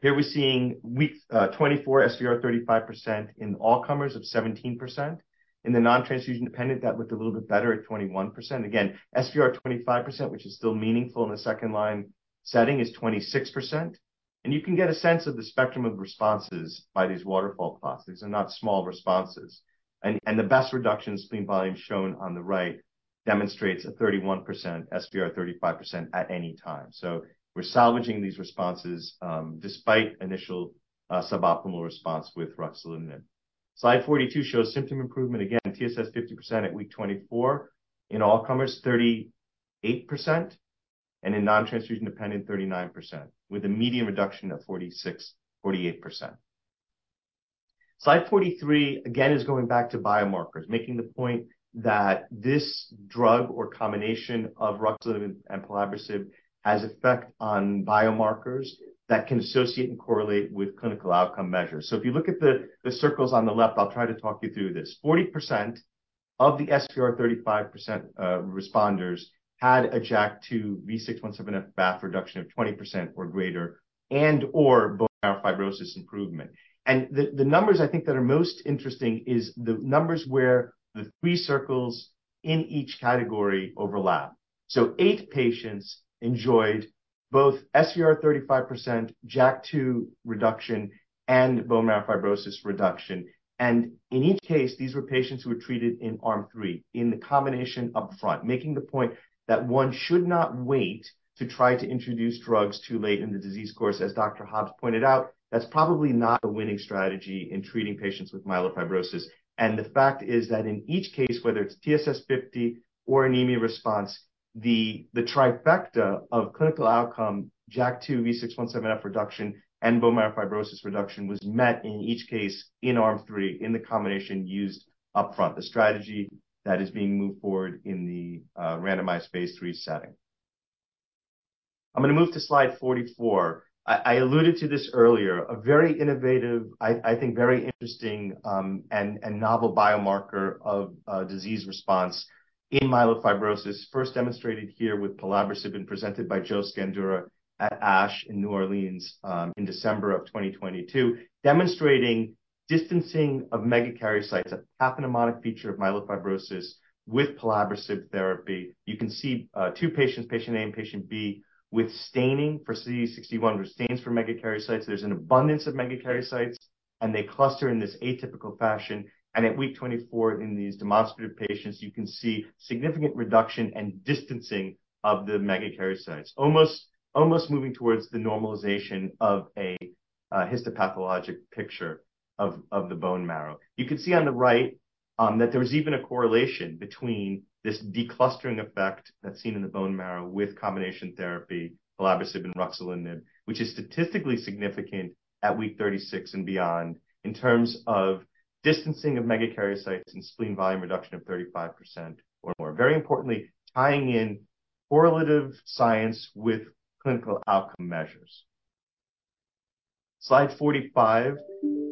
Here we're seeing week 24 SVR, 35% in all comers of 17%. In the non-transfusion dependent, that looked a little bit better at 21%. Again, SVR, 25%, which is still meaningful in the second line setting, is 26%. You can get a sense of the spectrum of responses by these waterfall plots. These are not small responses. The best reduction in spleen volume shown on the right demonstrates a 31% SVR, 35% at any time. We're salvaging these responses despite initial suboptimal response with ruxolitinib. Slide 42 shows symptom improvement. Again, TSS 50% at week 24. In all comers, 38%, and in non-transfusion dependent, 39%, with a median reduction of 46%, 48%. Slide 43, again, is going back to biomarkers, making the point that this drug or combination of ruxolitinib and pelabresib has effect on biomarkers that can associate and correlate with clinical outcome measures. If you look at the circles on the left, I'll try to talk you through this. 40% of the SVR 35% responders had a JAK2 V617F VAF reduction of 20% or greater and/or bone marrow fibrosis improvement. The numbers I think that are most interesting is the numbers where the three circles in each category overlap. 8 patients enjoyed both SVR 35%, JAK2 reduction, and bone marrow fibrosis reduction. In each case, these were patients who were treated in Arm 3, in the combination up front, making the point that one should not wait to try to introduce drugs too late in the disease course. As Dr. Hobbs pointed out, that's probably not a winning strategy in treating patients with myelofibrosis. The fact is that in each case, whether it's TSS50 or anemia response, the trifecta of clinical outcome, JAK2 V617F reduction, and bone marrow fibrosis reduction was met in each case in Arm 3, in the combination used upfront, the strategy that is being moved forward in the randomized Phase 3 setting. I'm gonna move to slide 44. I alluded to this earlier, a very innovative, I think, very interesting, and novel biomarker of disease response in myelofibrosis, first demonstrated here with pelabresib and presented by Joe Scandura at ASH in New Orleans in December of 2022, demonstrating distancing of megakaryocytes, a pathognomonic feature of myelofibrosis with pelabresib therapy. You can see 2 patients, patient A and patient B, with staining for CD61, which stains for megakaryocytes. There's an abundance of megakaryocytes, and they cluster in this atypical fashion. At week 24 in these demonstrative patients, you can see significant reduction and distancing of the megakaryocytes, almost moving towards the normalization of a histopathologic picture of the bone marrow. You can see on the right, that there's even a correlation between this de-clustering effect that's seen in the bone marrow with combination therapy, pelabresib and ruxolitinib, which is statistically significant at week 36 and beyond in terms of distancing of megakaryocytes and spleen volume reduction of 35% or more. Very importantly, tying in correlative science with clinical outcome measures. Slide 45,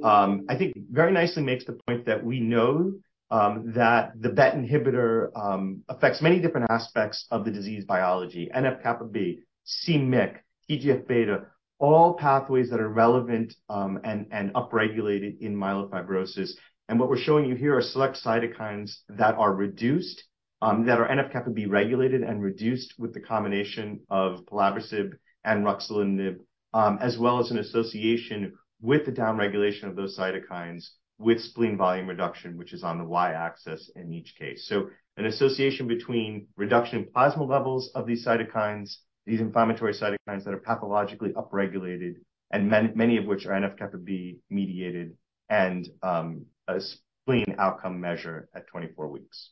I think very nicely makes the point that we know that the BET inhibitor affects many different aspects of the disease biology, NF-κB, c-MYC, TGF-beta, all pathways that are relevant and upregulated in myelofibrosis. What we're showing you here are select cytokines that are reduced, that are NF-κB regulated and reduced with the combination of pelabresib and ruxolitinib, as well as an association with the downregulation of those cytokines with spleen volume reduction, which is on the Y-axis in each case. An association between reduction in plasma levels of these cytokines, these inflammatory cytokines that are pathologically upregulated, and many of which are NF-κB mediated, and a spleen outcome measure at 24 weeks.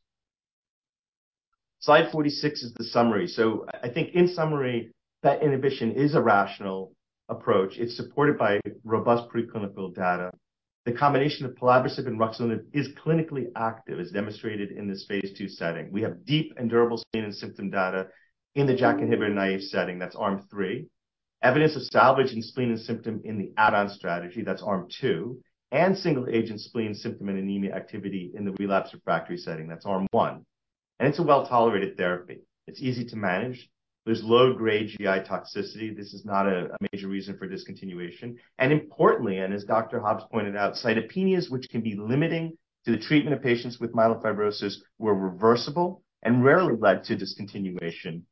Slide 46 is the summary. I think in summary, that inhibition is a rational approach. It's supported by robust preclinical data. The combination of pelabresib and ruxolitinib is clinically active, as demonstrated in this Phase 2 setting. We have deep and durable spleen and symptom data in the JAK inhibitor-naive setting, that's Arm 3. Evidence of salvage in spleen and symptom in the add-on strategy, that's Arm 2, and single-agent spleen symptom and anemia activity in the relapsed/refractory setting, that's Arm 1, and it's a well-tolerated therapy. It's easy to manage. There's low-grade GI toxicity. This is not a major reason for discontinuation. Importantly, as Dr. Hobbs pointed out, cytopenias, which can be limiting to the treatment of patients with myelofibrosis, were reversible and rarely led to discontinuation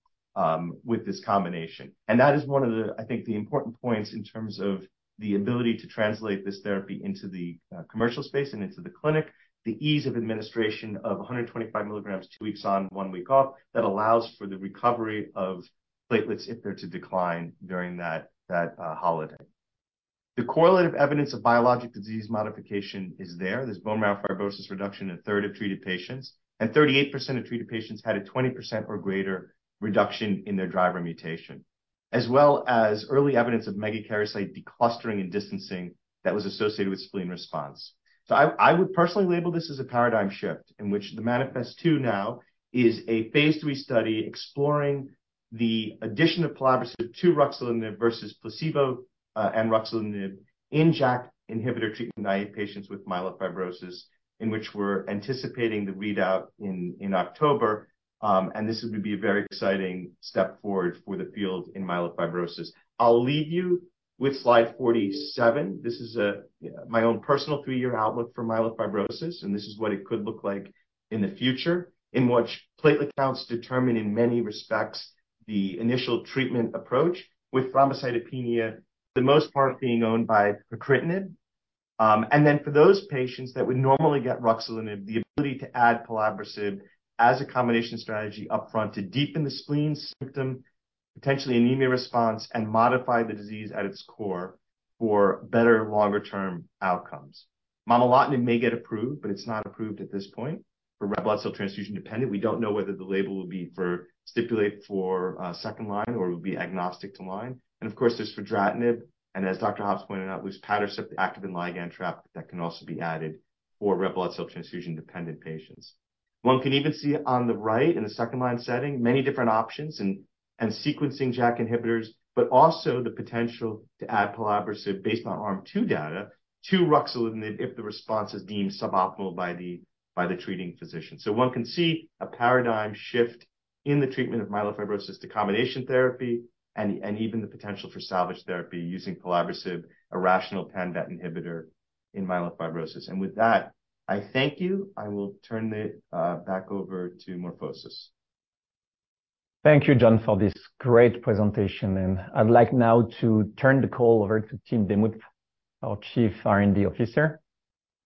with this combination. That is one of the, I think, the important points in terms of the ability to translate this therapy into the commercial space and into the clinic. The ease of administration of 125 milligrams, 2 weeks on, 1 week off, that allows for the recovery of platelets if they're to decline during that holiday. The correlative evidence of biologic disease modification is there. There's bone marrow fibrosis reduction in a third of treated patients, and 38% of treated patients had a 20% or greater reduction in their driver mutation, as well as early evidence of megakaryocyte declustering and distancing that was associated with spleen response. I would personally label this as a paradigm shift, in which the MANIFEST-2 now is a Phase 3 study exploring the addition of pelabresib to ruxolitinib versus placebo and ruxolitinib in JAK inhibitor-naive patients with myelofibrosis, in which we're anticipating the readout in October. This would be a very exciting step forward for the field in myelofibrosis. I'll leave you with Slide 47. This is my own personal 3-year outlook for myelofibrosis, this is what it could look like in the future, in which platelet counts determine, in many respects, the initial treatment approach, with thrombocytopenia, for the most part, being owned by pacritinib. For those patients that would normally get ruxolitinib, the ability to add pelabresib as a combination strategy upfront to deepen the spleen symptom, potentially anemia response, and modify the disease at its core for better, longer-term outcomes. Momelotinib may get approved, but it's not approved at this point for red blood cell transfusion-dependent. We don't know whether the label will be for stipulate for second-line, or it will be agnostic to line. Of course, there's fedratinib, and as Dr. Hobbs pointed out, luspatercept, the active and ligand trap, that can also be added for red blood cell transfusion-dependent patients. One can even see on the right, in the second-line setting, many different options and sequencing JAK inhibitors, but also the potential to add pelabresib based on Arm Two data to ruxolitinib if the response is deemed suboptimal by the, by the treating physician. One can see a paradigm shift in the treatment of myelofibrosis to combination therapy and even the potential for salvage therapy using pelabresib, a rational pan-BET inhibitor in myelofibrosis. With that, I thank you. I will turn it back over to MorphoSys. Thank you, John, for this great presentation. I'd like now to turn the call over to Tim Demuth, our Chief R&D Officer,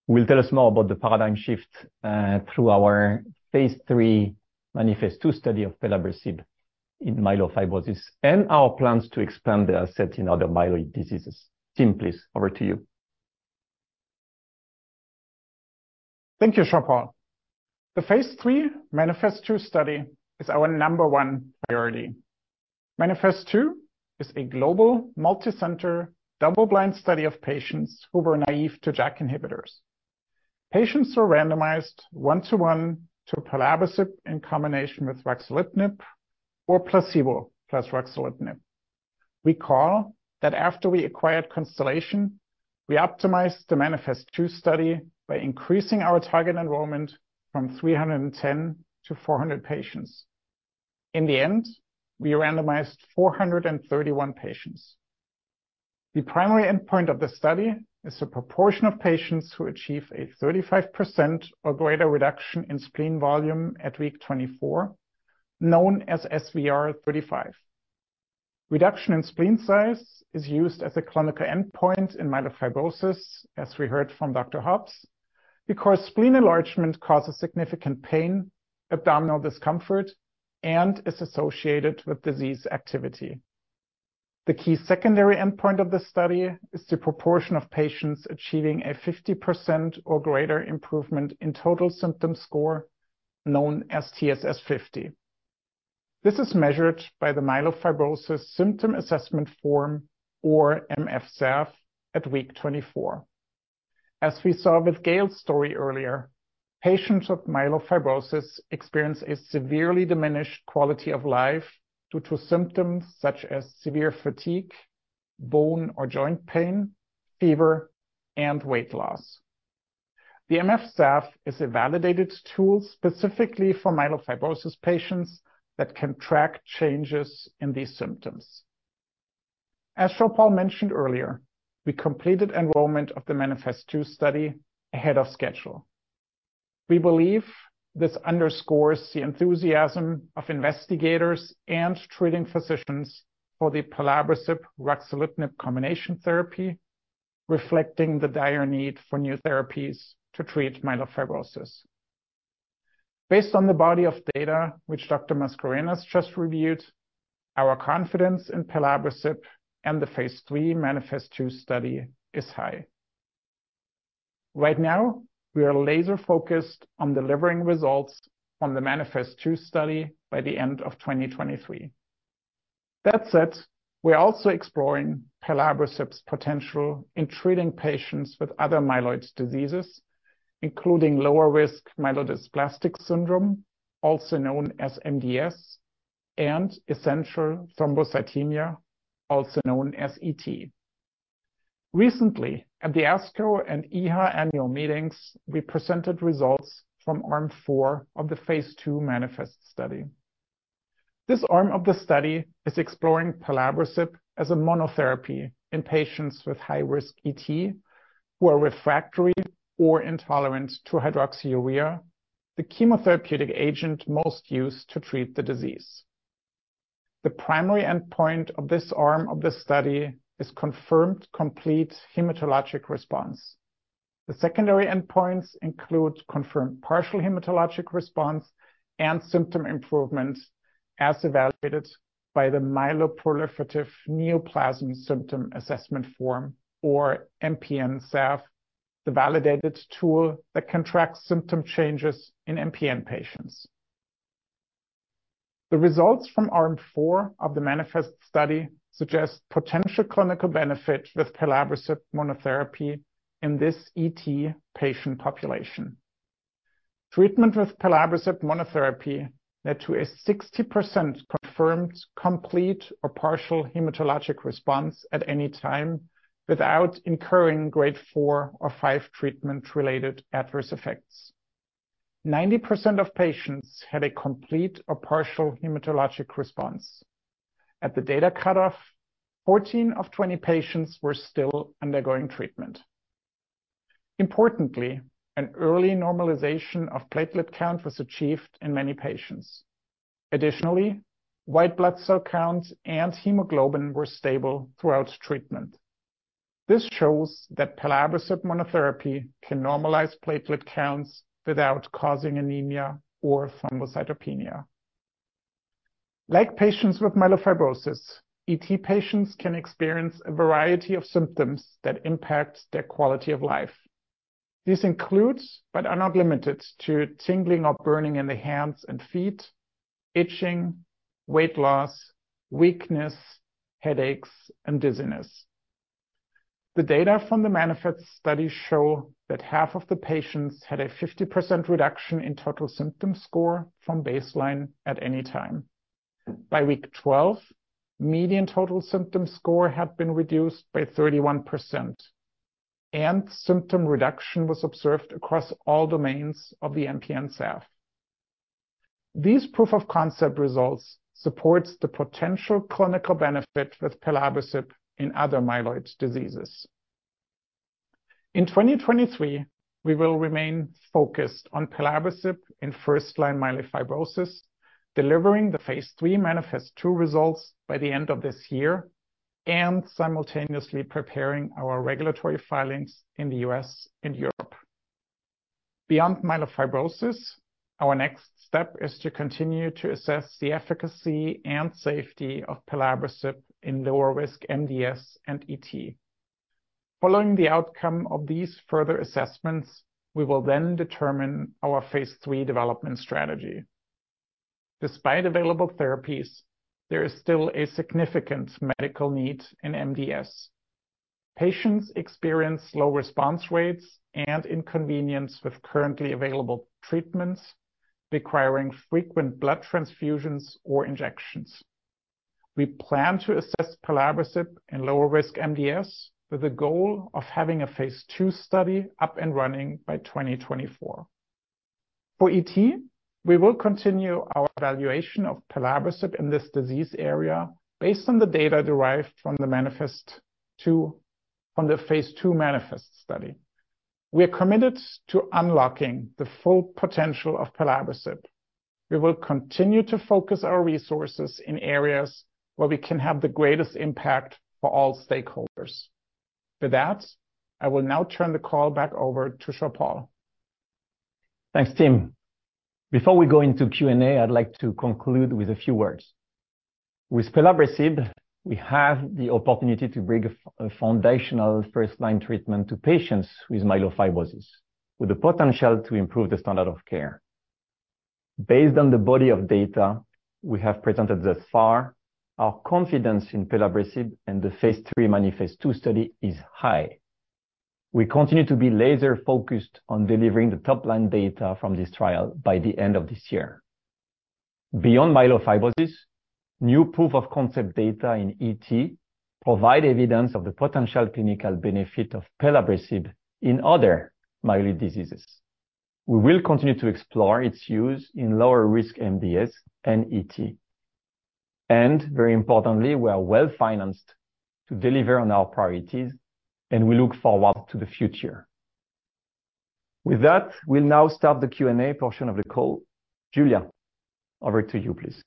who will tell us more about the paradigm shift, through our Phase 3 MANIFEST-2 study of pelabresib in myelofibrosis and our plans to expand the asset in other myeloid diseases. Tim, please, over to you. Thank you, Jean-Paul. The Phase 3 MANIFEST-2 study is our number one priority. MANIFEST-2 is a global, multicenter, double-blind study of patients who were naive to JAK inhibitors. Patients were randomized one-to-one to pelabresib in combination with ruxolitinib or placebo plus ruxolitinib. Recall that after we acquired Constellation, we optimized the MANIFEST-2 study by increasing our target enrollment from 310 to 400 patients. In the end, we randomized 431 patients. The primary endpoint of the study is the proportion of patients who achieve a 35% or greater reduction in spleen volume at week 24, known as SVR35. Reduction in spleen size is used as a clinical endpoint in myelofibrosis, as we heard from Dr. Hobbs, because spleen enlargement causes significant pain, abdominal discomfort, and is associated with disease activity. The key secondary endpoint of the study is the proportion of patients achieving a 50% or greater improvement in Total Symptom Score, known as TSS50. This is measured by the Myelofibrosis Symptom Assessment Form or MF-SAF at week 24. As we saw with Gail's story earlier, patients with myelofibrosis experience a severely diminished quality of life due to symptoms such as severe fatigue, bone or joint pain, fever, and weight loss. The MF-SAF is a validated tool specifically for myelofibrosis patients that can track changes in these symptoms. As Jean-Paul mentioned earlier, we completed enrollment of the MANIFEST-2 study ahead of schedule. We believe this underscores the enthusiasm of investigators and treating physicians for the pelabresib, ruxolitinib combination therapy, reflecting the dire need for new therapies to treat myelofibrosis. Based on the body of data, which Dr. Mascarenhas just reviewed, our confidence in pelabresib and the Phase 3 MANIFEST-2 study is high. Right now, we are laser-focused on delivering results on the MANIFEST-2 study by the end of 2023. That said, we're also exploring pelabresib's potential in treating patients with other myeloid diseases, including lower risk myelodysplastic syndromes, also known as MDS, and essential thrombocythemia, also known as ET. Recently, at the ASCO and EHA annual meetings, we presented results from Arm 4 of the Phase 2 MANIFEST study. This arm of the study is exploring pelabresib as a monotherapy in patients with high-risk ET, who are refractory or intolerant to hydroxyurea, the chemotherapeutic agent most used to treat the disease. The primary endpoint of this arm of the study is confirmed complete hematologic response. The secondary endpoints include confirmed partial hematologic response and symptom improvement, as evaluated by the Myeloproliferative Neoplasm Symptom Assessment Form, or MPN-SAF, the validated tool that can track symptom changes in MPN patients. The results from Arm 4 of the MANIFEST study suggest potential clinical benefit with pelabresib monotherapy in this ET patient population. Treatment with pelabresib monotherapy led to a 60% confirmed complete or partial hematologic response at any time, without incurring grade 4 or 5 treatment-related adverse effects. 90% of patients had a complete or partial hematologic response. At the data cutoff, 14 of 20 patients were still undergoing treatment. Importantly, an early normalization of platelet count was achieved in many patients. Additionally, white blood cell counts and hemoglobin were stable throughout treatment. This shows that pelabresib monotherapy can normalize platelet counts without causing anemia or thrombocytopenia. Like patients with myelofibrosis, ET patients can experience a variety of symptoms that impact their quality of life. These include, but are not limited to, tingling or burning in the hands and feet, itching, weight loss, weakness, headaches, and dizziness. The data from the MANIFEST study show that half of the patients had a 50% reduction in total symptom score from baseline at any time. By week 12, median total symptom score had been reduced by 31%, Symptom reduction was observed across all domains of the MPN-SAF. These proof of concept results support the potential clinical benefit with pelabresib in other myeloid diseases. In 2023, we will remain focused on pelabresib in first-line myelofibrosis, delivering the Phase 3 MANIFEST-2 results by the end of this year, and simultaneously preparing our regulatory filings in the U.S. and Europe. Beyond myelofibrosis, our next step is to continue to assess the efficacy and safety of pelabresib in lower risk MDS and ET. Following the outcome of these further assessments, we will then determine our Phase 3 development strategy. Despite available therapies, there is still a significant medical need in MDS. Patients experience low response rates and inconvenience with currently available treatments, requiring frequent blood transfusions or injections. We plan to assess pelabresib in lower risk MDS, with the goal of having a Phase 2 study up and running by 2024. For ET, we will continue our evaluation of pelabresib in this disease area based on the data derived from the Phase 2 MANIFEST study. We are committed to unlocking the full potential of pelabresib. We will continue to focus our resources in areas where we can have the greatest impact for all stakeholders. With that, I will now turn the call back over to Jean-Paul. Thanks, Tim. Before we go into Q&A, I'd like to conclude with a few words. With pelabresib, we have the opportunity to bring a foundational first-line treatment to patients with myelofibrosis, with the potential to improve the standard of care. Based on the body of data we have presented thus far, our confidence in pelabresib and the Phase 3 MANIFEST-2 study is high. We continue to be laser-focused on delivering the top-line data from this trial by the end of this year. Beyond myelofibrosis, new proof of concept data in ET provide evidence of the potential clinical benefit of pelabresib in other myeloid diseases. We will continue to explore its use in lower risk MDS and ET. Very importantly, we are well-financed to deliver on our priorities, and we look forward to the future. With that, we'll now start the Q&A portion of the call. Julia, over to you, please.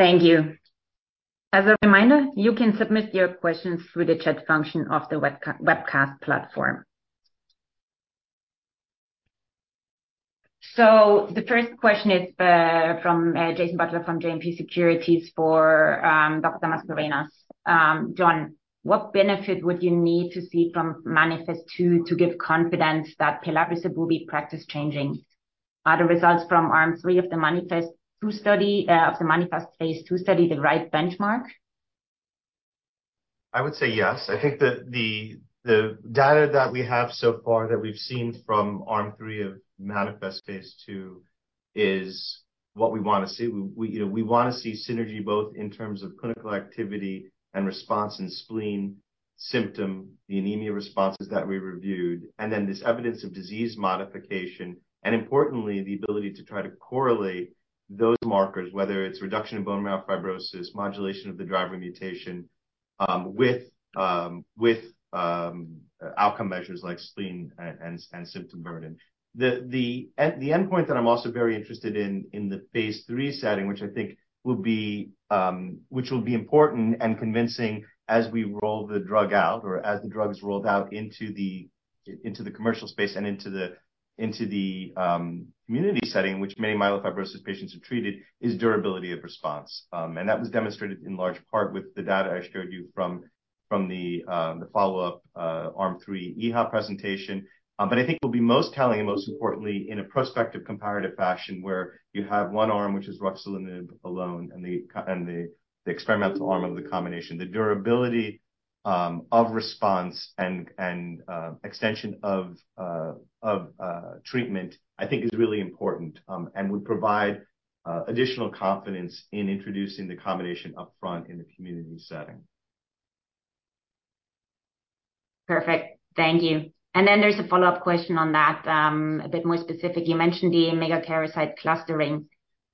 Thank you. As a reminder, you can submit your questions through the chat function of the webcast platform. The first question is from Jason Butler, from JMP Securities for Dr. Mascarenhas. John, what benefit would you need to see from MANIFEST-2 to give confidence that pelabresib will be practice-changing? Are the results from Arm 3 of the MANIFEST-2 study of the MANIFEST Phase 2 study the right benchmark? I would say yes. I think that the data that we have so far that we've seen from Arm Three of MANIFEST-2 is what we wanna see. We, you know, we wanna see synergy both in terms of clinical activity and response in spleen, symptom, the anemia responses that we reviewed, and then this evidence of disease modification. Importantly, the ability to try to correlate those markers, whether it's reduction in bone marrow fibrosis, modulation of the driver mutation, with outcome measures like spleen and symptom burden. The endpoint that I'm also very interested in the Phase 3 setting, which I think will be important and convincing as we roll the drug out or as the drug is rolled out into the commercial space and into the community setting, which many myelofibrosis patients are treated, is durability of response. That was demonstrated in large part with the data I showed you from the follow-up Arm 3 EHA presentation. I think what will be most telling, and most importantly, in a prospective comparative fashion, where you have one arm, which is ruxolitinib alone, and the experimental arm of the combination. The durability of response and extension of treatment, I think is really important and would provide additional confidence in introducing the combination up front in the community setting. Perfect. Thank you. There's a follow-up question on that, a bit more specific. You mentioned the megakaryocyte clustering.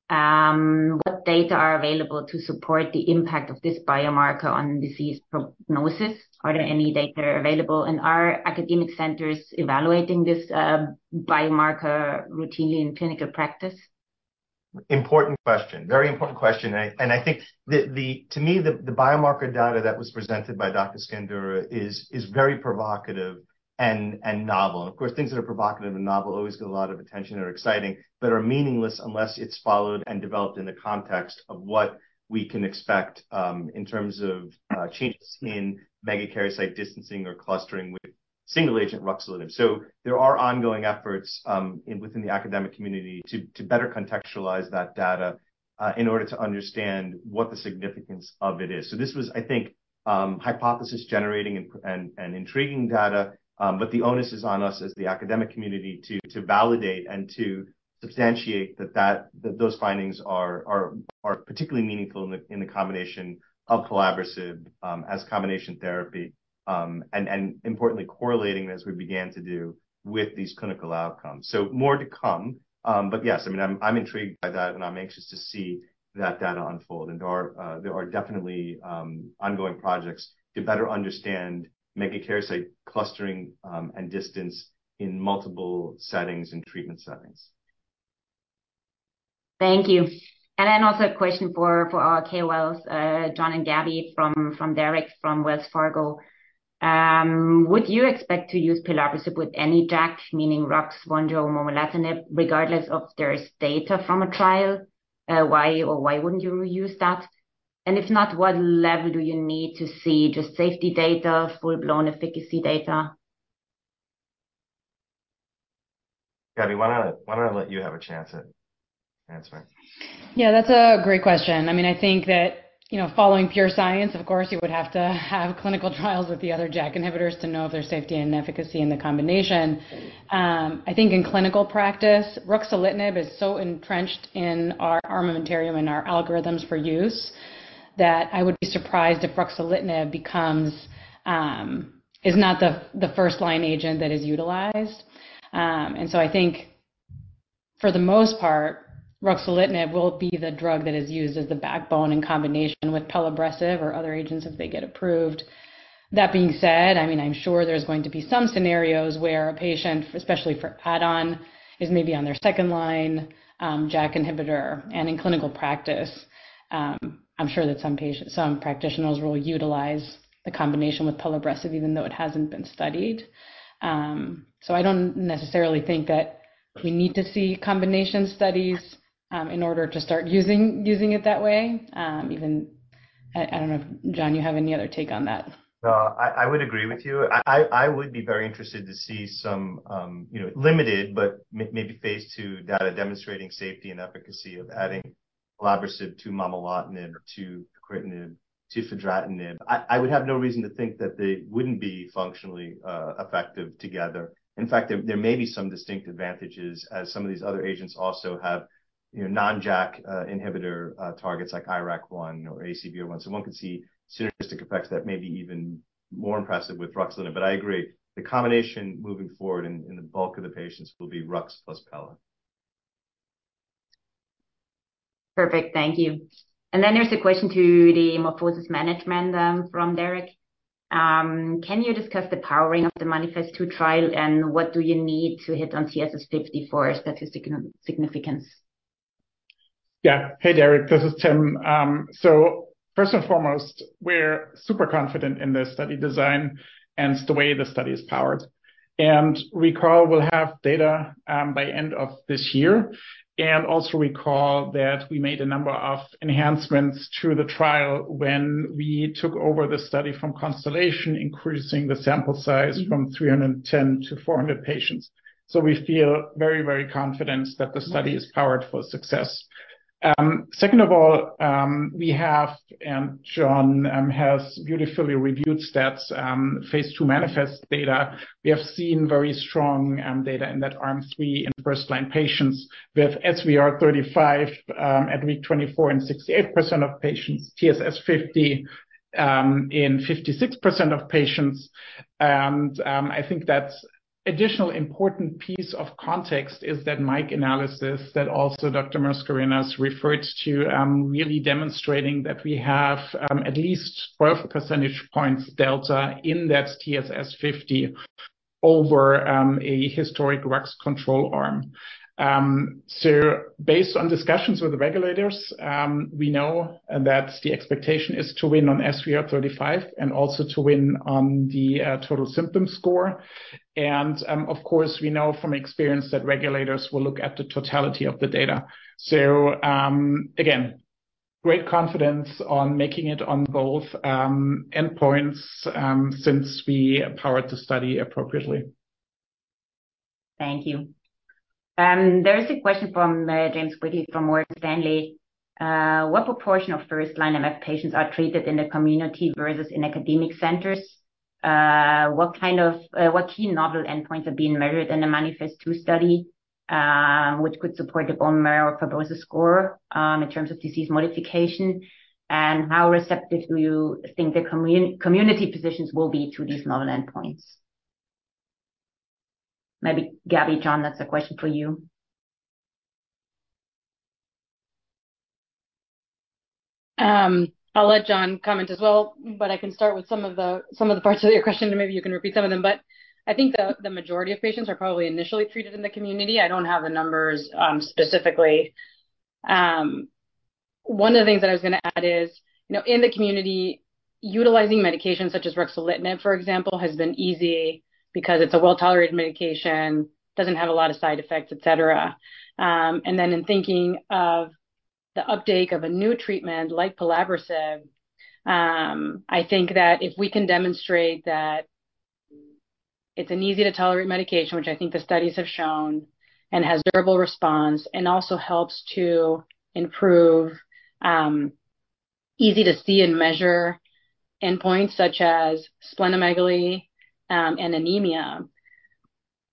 What data are available to support the impact of this biomarker on disease prognosis? Are there any data available, and are academic centers evaluating this biomarker routinely in clinical practice? Important question. Very important question. I think To me, the biomarker data that was presented by Dr. Scandura is very provocative and novel. Of course, things that are provocative and novel always get a lot of attention and are exciting, but are meaningless unless it's followed and developed in the context of what we can expect in terms of changes in megakaryocyte distancing or clustering with single agent ruxolitinib. There are ongoing efforts in within the academic community to better contextualize that data in order to understand what the significance of it is. This was, I think, hypothesis-generating and intriguing data, the onus is on us as the academic community to validate and to substantiate that those findings are particularly meaningful in the combination of pelabresib as combination therapy, and importantly, correlating as we began to do with these clinical outcomes. More to come. Yes, I mean, I'm intrigued by that, and I'm anxious to see that data unfold. There are definitely ongoing projects to better understand megakaryocyte clustering and distance in multiple settings and treatment settings. Thank you. Also a question for our KOLs, John and Gabby from Derek, from Wells Fargo. Would you expect to use pelabresib with any JAK, meaning Rux, VONJO, or momelotinib, regardless of there is data from a trial? Why or why wouldn't you use that? If not, what level do you need to see, just safety data, full-blown efficacy data? Gabby, why not, why don't I let you have a chance at answering? Yeah, that's a great question. I mean, I think that, you know, following pure science, of course, you would have to have clinical trials with the other JAK inhibitors to know if there's safety and efficacy in the combination. I think in clinical practice, ruxolitinib is so entrenched in our armamentarium and our algorithms for use, that I would be surprised if ruxolitinib becomes, is not the first-line agent that is utilized. I think for the most part, ruxolitinib will be the drug that is used as the backbone in combination with pelabresib or other agents if they get approved. That being said, I mean, I'm sure there's going to be some scenarios where a patient, especially for add-on, is maybe on their second-line JAK inhibitor. In clinical practice, I'm sure that some practitioners will utilize the combination with pelabresib, even though it hasn't been studied. I don't necessarily think that we need to see combination studies, in order to start using it that way. Even I don't know if, John, you have any other take on that? I would agree with you. I would be very interested to see some, you know, limited, but maybe Phase 2 data demonstrating safety and efficacy of adding pelabresib to momelotinib, to pacritinib, to fedratinib. I would have no reason to think that they wouldn't be functionally effective together. In fact, there may be some distinct advantages, as some of these other agents also have, you know, non-JAK inhibitor targets like IRAK1 or ACVR1. One could see synergistic effects that may be even more impressive with ruxolitinib. I agree, the combination moving forward in the bulk of the patients will be Rux plus Pela. Perfect. Thank you. Then there's a question to the MorphoSys management, from Derek. Can you discuss the powering of the MANIFEST-2 trial, and what do you need to hit on TSS50 for statistical significance? Yeah. Hey, Derek, this is Tim. First and foremost, we're super confident in this study design and the way the study is powered. Recall, we'll have data by end of this year, and also recall that we made a number of enhancements to the trial when we took over the study from Constellation, increasing the sample size from 310 to 400 patients. We feel very, very confident that the study is powered for success. Second of all, we have, and John has beautifully reviewed stats, Phase 2 MANIFEST data. We have seen very strong data in that arm 3 in first-line patients with SVR35 at week 24 and 68% of patients, TSS50 in 56% of patients. I think that's additional important piece of context is that MAIC analysis, that also Dr. Mascarenhas referred to, really demonstrating that we have at least 12 percentage points delta in that TSS50 over a historic Rux control arm. Based on discussions with the regulators, we know that the expectation is to win on SVR35 and also to win on the total symptom score. Of course, we know from experience that regulators will look at the totality of the data. Again, great confidence on making it on both endpoints, since we powered the study appropriately. Thank you. There is a question from James Quigley from Morgan Stanley. What proportion of first-line MF patients are treated in the community versus in academic centers? What kind of what key novel endpoints are being measured in the MANIFEST-2 study, which could support the bone marrow fibrosis score in terms of disease modification? How receptive do you think the community physicians will be to these novel endpoints? Maybe Gabby, John, that's a question for you. I'll let John comment as well, I can start with some of the, some of the parts of your question, and maybe you can repeat some of them. I think the majority of patients are probably initially treated in the community. I don't have the numbers specifically. One of the things that I was gonna add is, you know, in the community, utilizing medications such as ruxolitinib, for example, has been easy because it's a well-tolerated medication, doesn't have a lot of side effects, et cetera. In thinking of the uptake of a new treatment like pelabresib, I think that if we can demonstrate that it's an easy-to-tolerate medication, which I think the studies have shown, and has durable response, and also helps to improve easy-to-see and measure endpoints such as splenomegaly and anemia,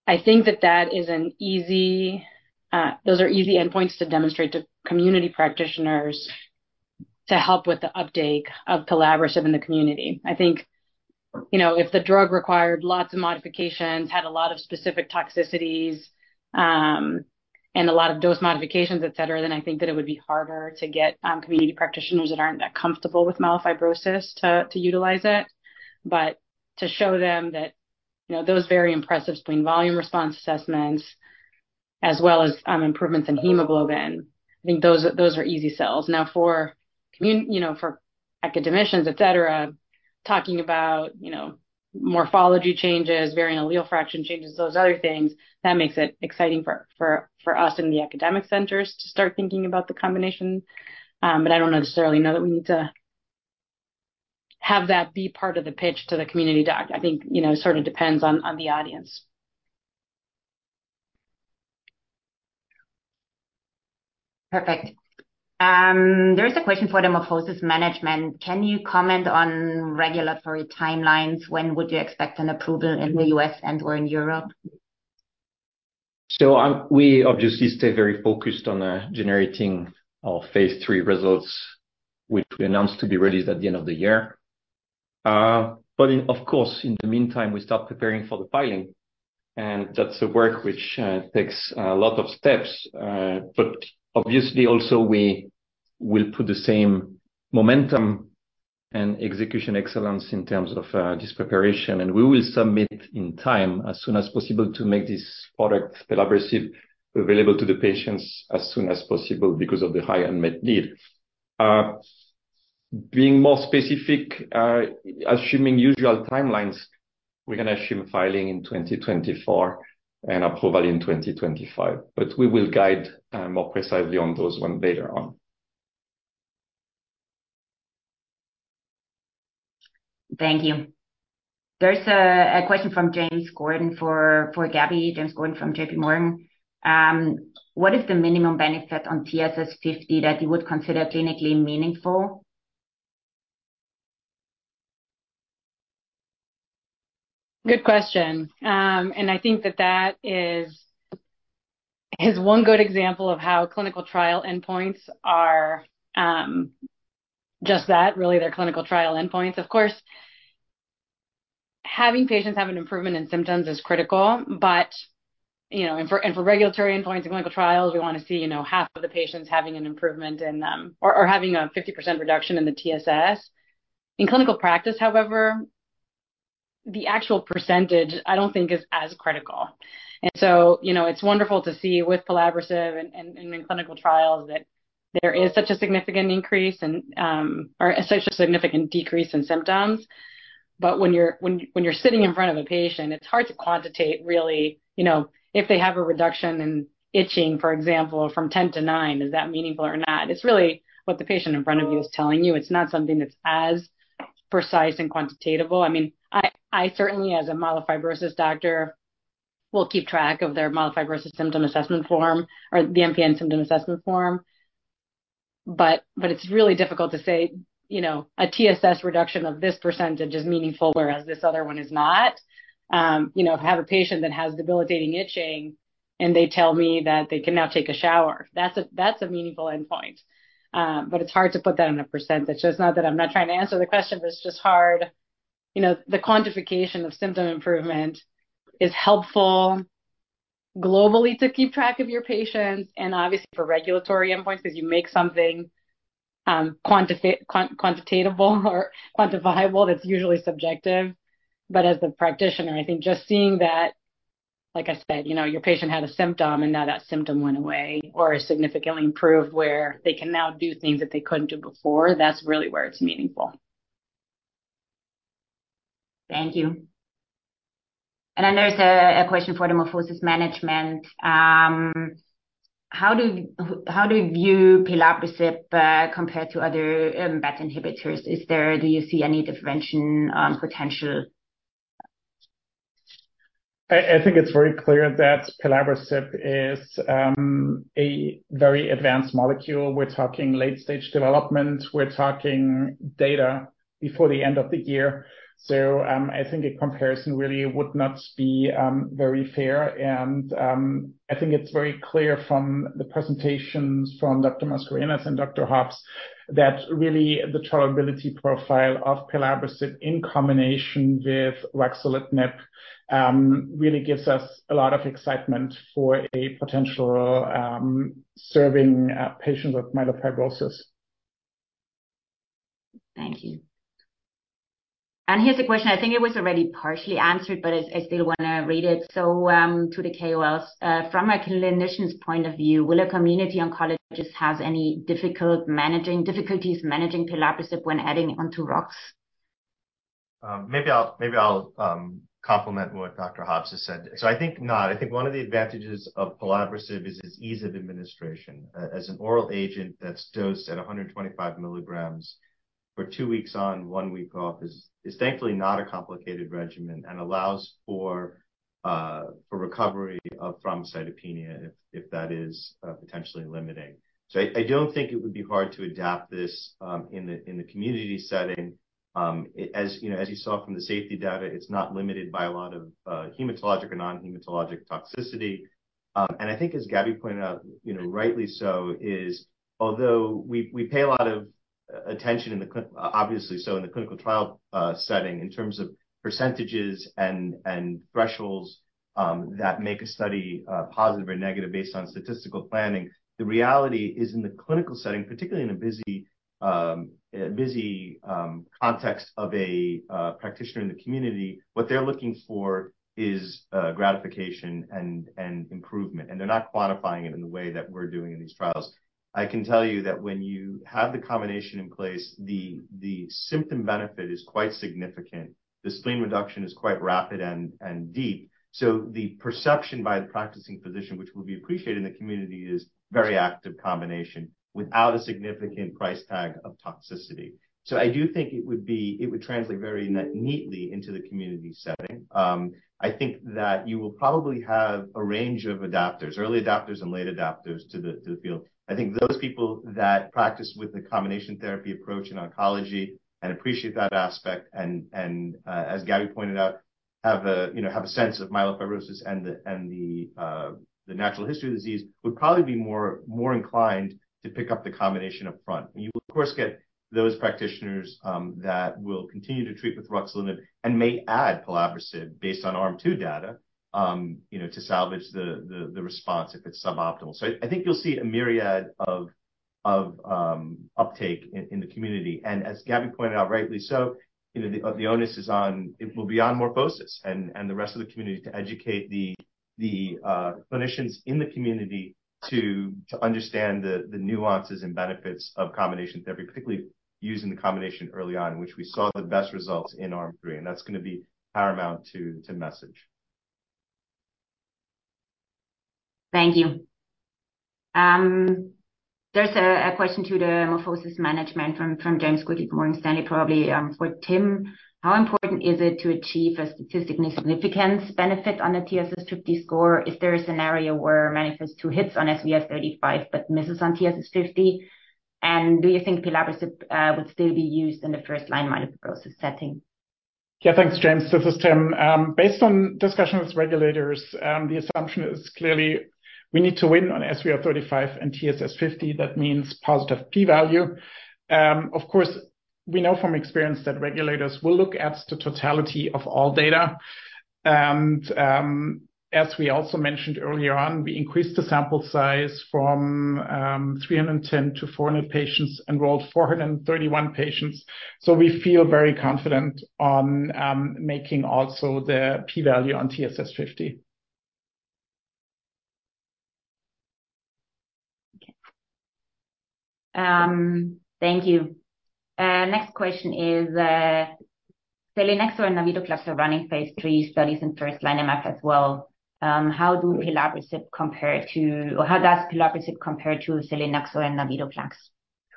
I think that that is an easy, those are easy endpoints to demonstrate to community practitioners to help with the uptake of pelabresib in the community. I think, you know, if the drug required lots of modifications, had a lot of specific toxicities and a lot of dose modifications, et cetera, then I think that it would be harder to get community practitioners that aren't that comfortable with myelofibrosis to utilize it. To show them that, you know, those very impressive spleen volume response assessments, as well as improvements in hemoglobin, I think those are easy sells. For academicians, et cetera, talking about, you know, morphology changes, variant allele fraction changes, those other things, that makes it exciting for us in the academic centers to start thinking about the combination. I don't necessarily know that we need to have that be part of the pitch to the community, Doc. I think, you know, it sort of depends on the audience. Perfect. There is a question for the MorphoSys management. Can you comment on regulatory timelines? When would you expect an approval in the U.S. and/or in Europe? We obviously stay very focused on generating our Phase 3 results, which we announced to be released at the end of the year. Of course, in the meantime, we start preparing for the filing, and that's a work which takes a lot of steps. Obviously, also, we will put the same momentum and execution excellence in terms of this preparation, and we will submit in time, as soon as possible, to make this product, pelabresib, available to the patients as soon as possible because of the high unmet need. Being more specific, assuming usual timelines, we're gonna assume filing in 2024 and approval in 2025, we will guide more precisely on those one later on. Thank you. There's a question from James Gordon for Gabby. James Gordon from JP Morgan. What is the minimum benefit on TSS50 that you would consider clinically meaningful? Good question. I think that that is one good example of how clinical trial endpoints are just that, really, they're clinical trial endpoints. Of course, having patients have an improvement in symptoms is critical, you know, and for regulatory endpoints in clinical trials, we wanna see, you know, half of the patients having an improvement in them or having a 50% reduction in the TSS. In clinical practice, however, the actual percentage, I don't think is as critical. You know, it's wonderful to see with pelabresib and in clinical trials that there is such a significant increase in or such a significant decrease in symptoms. When you're sitting in front of a patient, it's hard to quantitate really, you know, if they have a reduction in itching, for example, from 10 to 9, is that meaningful or not? It's really what the patient in front of you is telling you. It's not something that's as precise and quantitatable. I mean, I certainly, as a myelofibrosis doctor, will keep track of their Myelofibrosis Symptom Assessment Form or the MPN Symptom Assessment Form. It's really difficult to say, you know, a TSS reduction of this % is meaningful, whereas this other one is not. You know, if I have a patient that has debilitating itching, and they tell me that they can now take a shower, that's a meaningful endpoint. It's hard to put that in a %. It's not that I'm not trying to answer the question, but it's just hard. You know, the quantification of symptom improvement is helpful globally to keep track of your patients and obviously for regulatory endpoints, 'cause you make something quantifiable that's usually subjective. As the practitioner, I think just seeing that, like I said, you know, your patient had a symptom, and now that symptom went away or is significantly improved, where they can now do things that they couldn't do before, that's really where it's meaningful. Thank you. There's a question for the MorphoSys management. How do you view pelabresib compared to other BET inhibitors? Do you see any differentiation potential? I think it's very clear that pelabresib is a very advanced molecule. We're talking late-stage development. We're talking data before the end of the year. I think a comparison really would not be very fair. I think it's very clear from the presentations from Dr. Mascarenhas and Dr. Hobbs that really the tolerability profile of pelabresib in combination with ruxolitinib really gives us a lot of excitement for a potential serving patients with myelofibrosis. Thank you. Here's a question. I think it was already partially answered, but I still wanna read it. To the KOLs, from a clinician's point of view, will a community oncologist have any difficulties managing pelabresib when adding it onto Rux? Maybe I'll complement what Dr. Hobbs has said. I think not. I think one of the advantages of pelabresib is its ease of administration. As an oral agent that's dosed at 125 milligrams for 2 weeks on, 1 week off, is thankfully not a complicated regimen and allows for recovery of thrombocytopenia, if that is potentially limiting. I don't think it would be hard to adapt this in the community setting. As you know, as you saw from the safety data, it's not limited by a lot of hematologic or non-hematologic toxicity. I think, as Gabby pointed out, you know, rightly so, is although we pay a lot of attention in the obviously, so in the clinical trial setting, in terms of % and thresholds, that make a study positive or negative based on statistical planning, the reality is, in the clinical setting, particularly in a busy context of a practitioner in the community, what they're looking for is gratification and improvement, and they're not quantifying it in the way that we're doing in these trials. I can tell you that when you have the combination in place, the symptom benefit is quite significant. The spleen reduction is quite rapid and deep. The perception by the practicing physician, which will be appreciated in the community, is very active combination without a significant price tag of toxicity. I do think it would translate very neatly into the community setting. I think that you will probably have a range of adapters, early adapters and late adapters to the field. Those people that practice with the combination therapy approach in oncology and appreciate that aspect and, as Gabby pointed out, have a, you know, sense of myelofibrosis and the, and the natural history of the disease, would probably be more inclined to pick up the combination up front. You will, of course, get those practitioners that will continue to treat with ruxolitinib and may add pelabresib based on Arm 2 data, you know, to salvage the response if it's suboptimal. I think you'll see a myriad of uptake in the community. As Gabby pointed out, rightly so, you know, the onus is on. It will be on MorphoSys and the rest of the community to educate the clinicians in the community to understand the nuances and benefits of combination therapy, particularly using the combination early on, which we saw the best results in Arm 3, and that's gonna be paramount to message. Thank you. There's a question to the MorphoSys management from James Quigley at Morgan Stanley, probably, for Tim. How important is it to achieve a statistically significant benefit on the TSS50 score? Is there a scenario where MANIFEST-2 hits on SVR35 but misses on TSS50? Do you think pelabresib would still be used in the first-line myelofibrosis setting? Yeah, thanks, James. This is Tim. Based on discussions with regulators, the assumption is clearly we need to win on SVR35 and TSS50. That means positive p-value. Of course, we know from experience that regulators will look at the totality of all data. As we also mentioned earlier on, we increased the sample size from 310 to 400 patients, enrolled 431 patients. We feel very confident on making also the p-value on TSS50. Okay. Thank you. Next question is, selinexor and navitoclax are running Phase 3 studies in first-line MF as well. How does pelabresib compare to selinexor and navitoclax?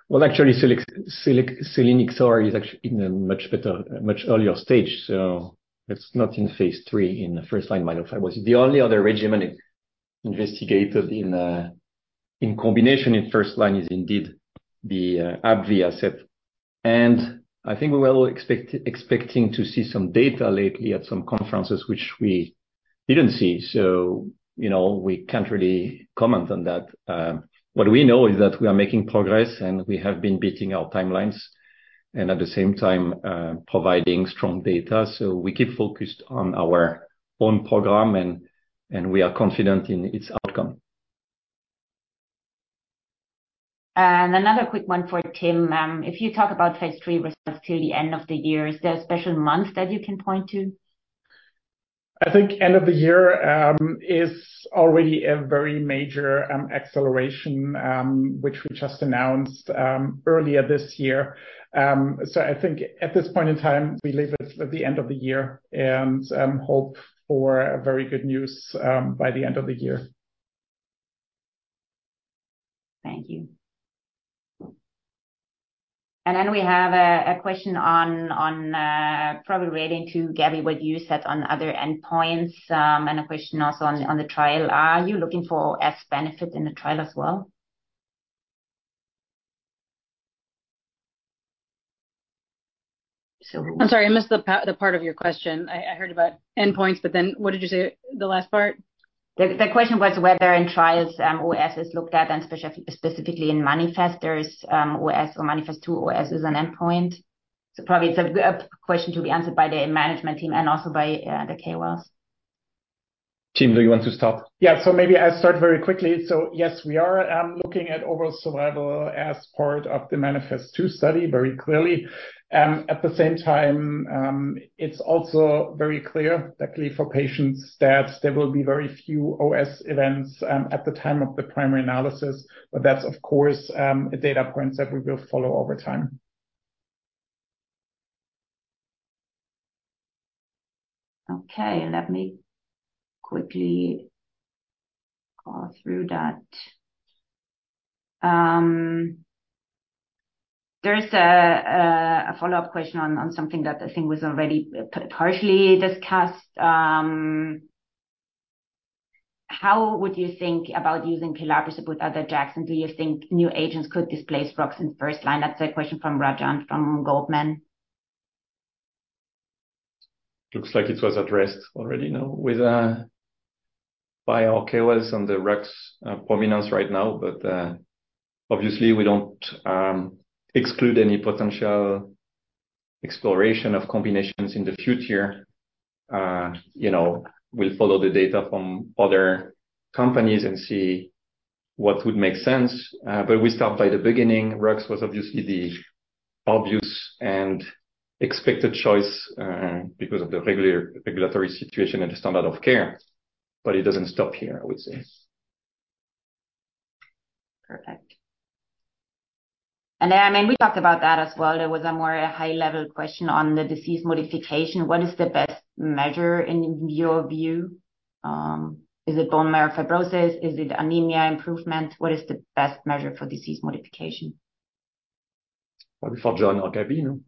Well, actually, selinexor is actually in a much better, much earlier stage, so it's not in Phase 3 in first-line myelofibrosis. The only other regimen investigated in combination in first line is indeed the AbbVie asset. I think we were all expecting to see some data lately at some conferences, which we didn't see, so, you know, we can't really comment on that. What we know is that we are making progress, and we have been beating our timelines and at the same time providing strong data. We keep focused on our own program, and we are confident in its outcome. Another quick one for Tim. If you talk about Phase 3 response till the end of the year, is there a special month that you can point to? I think end of the year is already a very major acceleration which we just announced earlier this year. I think at this point in time, we leave it at the end of the year and hope for a very good news by the end of the year. Thank you. We have a question on, probably relating to, Gabby, what you said on other endpoints, and a question also on the trial. Are you looking for S benefit in the trial as well? I'm sorry, I missed the part of your question. I heard about endpoints, but then what did you say the last part? The question was whether in trials, OS is looked at, and specifically in MANIFEST, OS or MANIFEST-2, OS is an endpoint. Probably it's a question to be answered by the management team and also by the KOLs. Tim, do you want to start? Yeah. Maybe I'll start very quickly. Yes, we are looking at overall survival as part of the MANIFEST-2 study very clearly. At the same time, it's also very clear, particularly for patient stats, there will be very few OS events at the time of the primary analysis. That's of course, a data points that we will follow over time. Okay, let me quickly go through that. There is a follow-up question on something that I think was already partially discussed. How would you think about using pelabresib with other JAKs, and do you think new agents could displace Rux in first line? That's a question from Rajan, from Goldman. Looks like it was addressed already, you know, with by our KOLs on the Rux prominence right now, but obviously we don't exclude any potential exploration of combinations in the future. You know, we'll follow the data from other companies and see what would make sense. We start by the beginning. Rux was obviously the obvious and expected choice because of the regular regulatory situation and the standard of care, but it doesn't stop here, I would say. Perfect. I mean, we talked about that as well. There was a more high-level question on the disease modification. What is the best measure in your view? Is it bone marrow fibrosis? Is it anemia improvement? What is the best measure for disease modification? Probably for John or Gabby, no?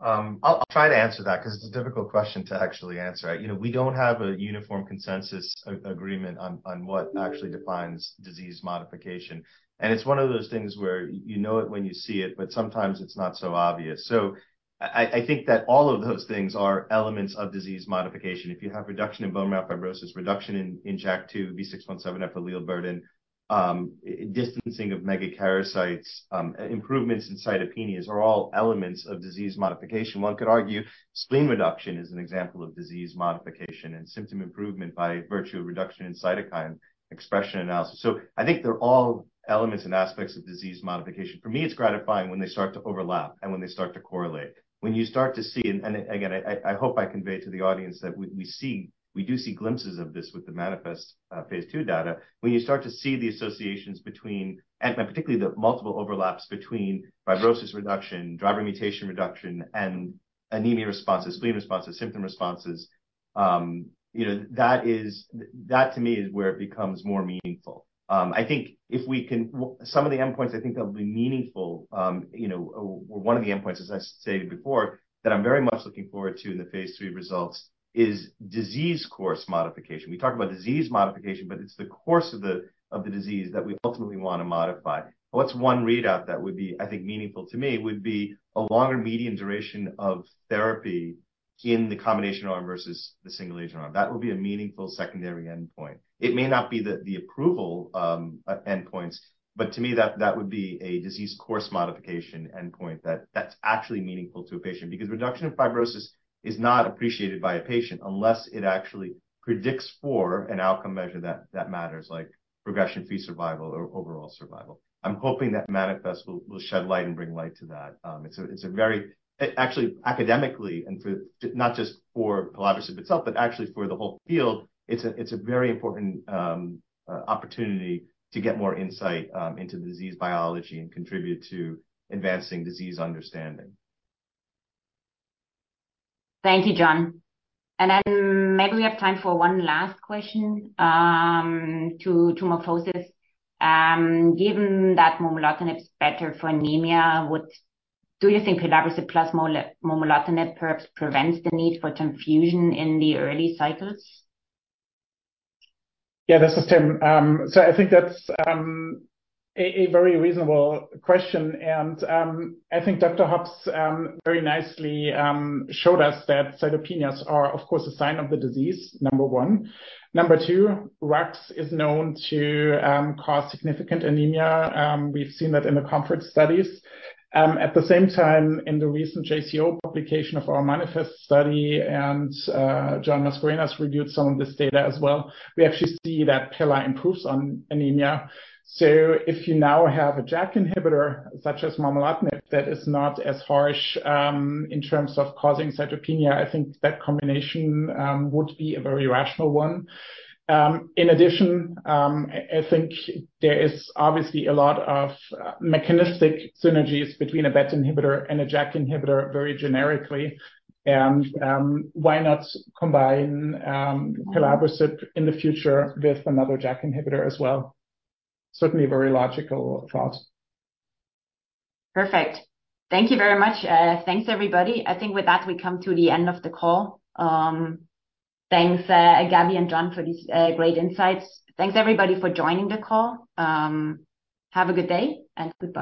I'll try to answer that 'cause it's a difficult question to actually answer. You know, we don't have a uniform consensus agreement on what actually defines disease modification, and it's one of those things where you know it when you see it, but sometimes it's not so obvious. I think that all of those things are elements of disease modification. If you have reduction in bone marrow fibrosis, reduction in JAK2 V617F allele burden, distancing of megakaryocytes, improvements in cytopenias are all elements of disease modification. One could argue spleen reduction is an example of disease modification and symptom improvement by virtue of reduction in cytokine expression analysis. I think they're all elements and aspects of disease modification. For me, it's gratifying when they start to overlap and when they start to correlate. When you start to see... Again, I hope I conveyed to the audience that we do see glimpses of this with the MANIFEST Phase 2 data. When you start to see the associations between, particularly the multiple overlaps between fibrosis reduction, driver mutation reduction, and anemia responses, spleen responses, symptom responses. You know, that to me is where it becomes more meaningful. I think if we can some of the endpoints, I think that will be meaningful, you know, or one of the endpoints, as I stated before, that I'm very much looking forward to in the Phase 3 results, is disease course modification. We talked about disease modification, but it's the course of the disease that we ultimately want to modify. What's one readout that would be, I think, meaningful to me would be a longer median duration of therapy in the combination arm versus the single-agent arm. That would be a meaningful secondary endpoint. It may not be the approval endpoints, but to me, that would be a disease course modification endpoint that's actually meaningful to a patient. Because reduction of fibrosis is not appreciated by a patient unless it actually predicts for an outcome measure that matters, like progression-free survival or overall survival. I'm hoping that MANIFEST will shed light and bring light to that. It's a very actually, academically, and for, not just for pelabresib itself, but actually for the whole field, it's a very important opportunity to get more insight into the disease biology and contribute to advancing disease understanding. Thank you, John. Maybe we have time for one last question, to MorphoSys. Given that momelotinib is better for anemia, do you think pelabresib plus momelotinib perhaps prevents the need for transfusion in the early cycles? Yeah, this is Tim. I think that's a very reasonable question. I think Dr. Hobbs very nicely showed us that cytopenias are, of course, a sign of the disease, number one. Number two, Rux is known to cause significant anemia. We've seen that in the COMFORT studies. At the same time, in the recent JCO publication of our MANIFEST study, John Mascarenhas reviewed some of this data as well, we actually see that Pela improves on anemia. If you now have a JAK inhibitor, such as momelotinib, that is not as harsh in terms of causing cytopenia, I think that combination would be a very rational one. In addition, I think there is obviously a lot of mechanistic synergies between a BET inhibitor and a JAK inhibitor, very generically. Why not combine, pelabresib in the future with another JAK inhibitor as well? Certainly a very logical thought. Perfect. Thank you very much. Thanks, everybody. I think with that, we come to the end of the call. Thanks, Gabby and John, for these, great insights. Thanks, everybody, for joining the call. Have a good day, and goodbye.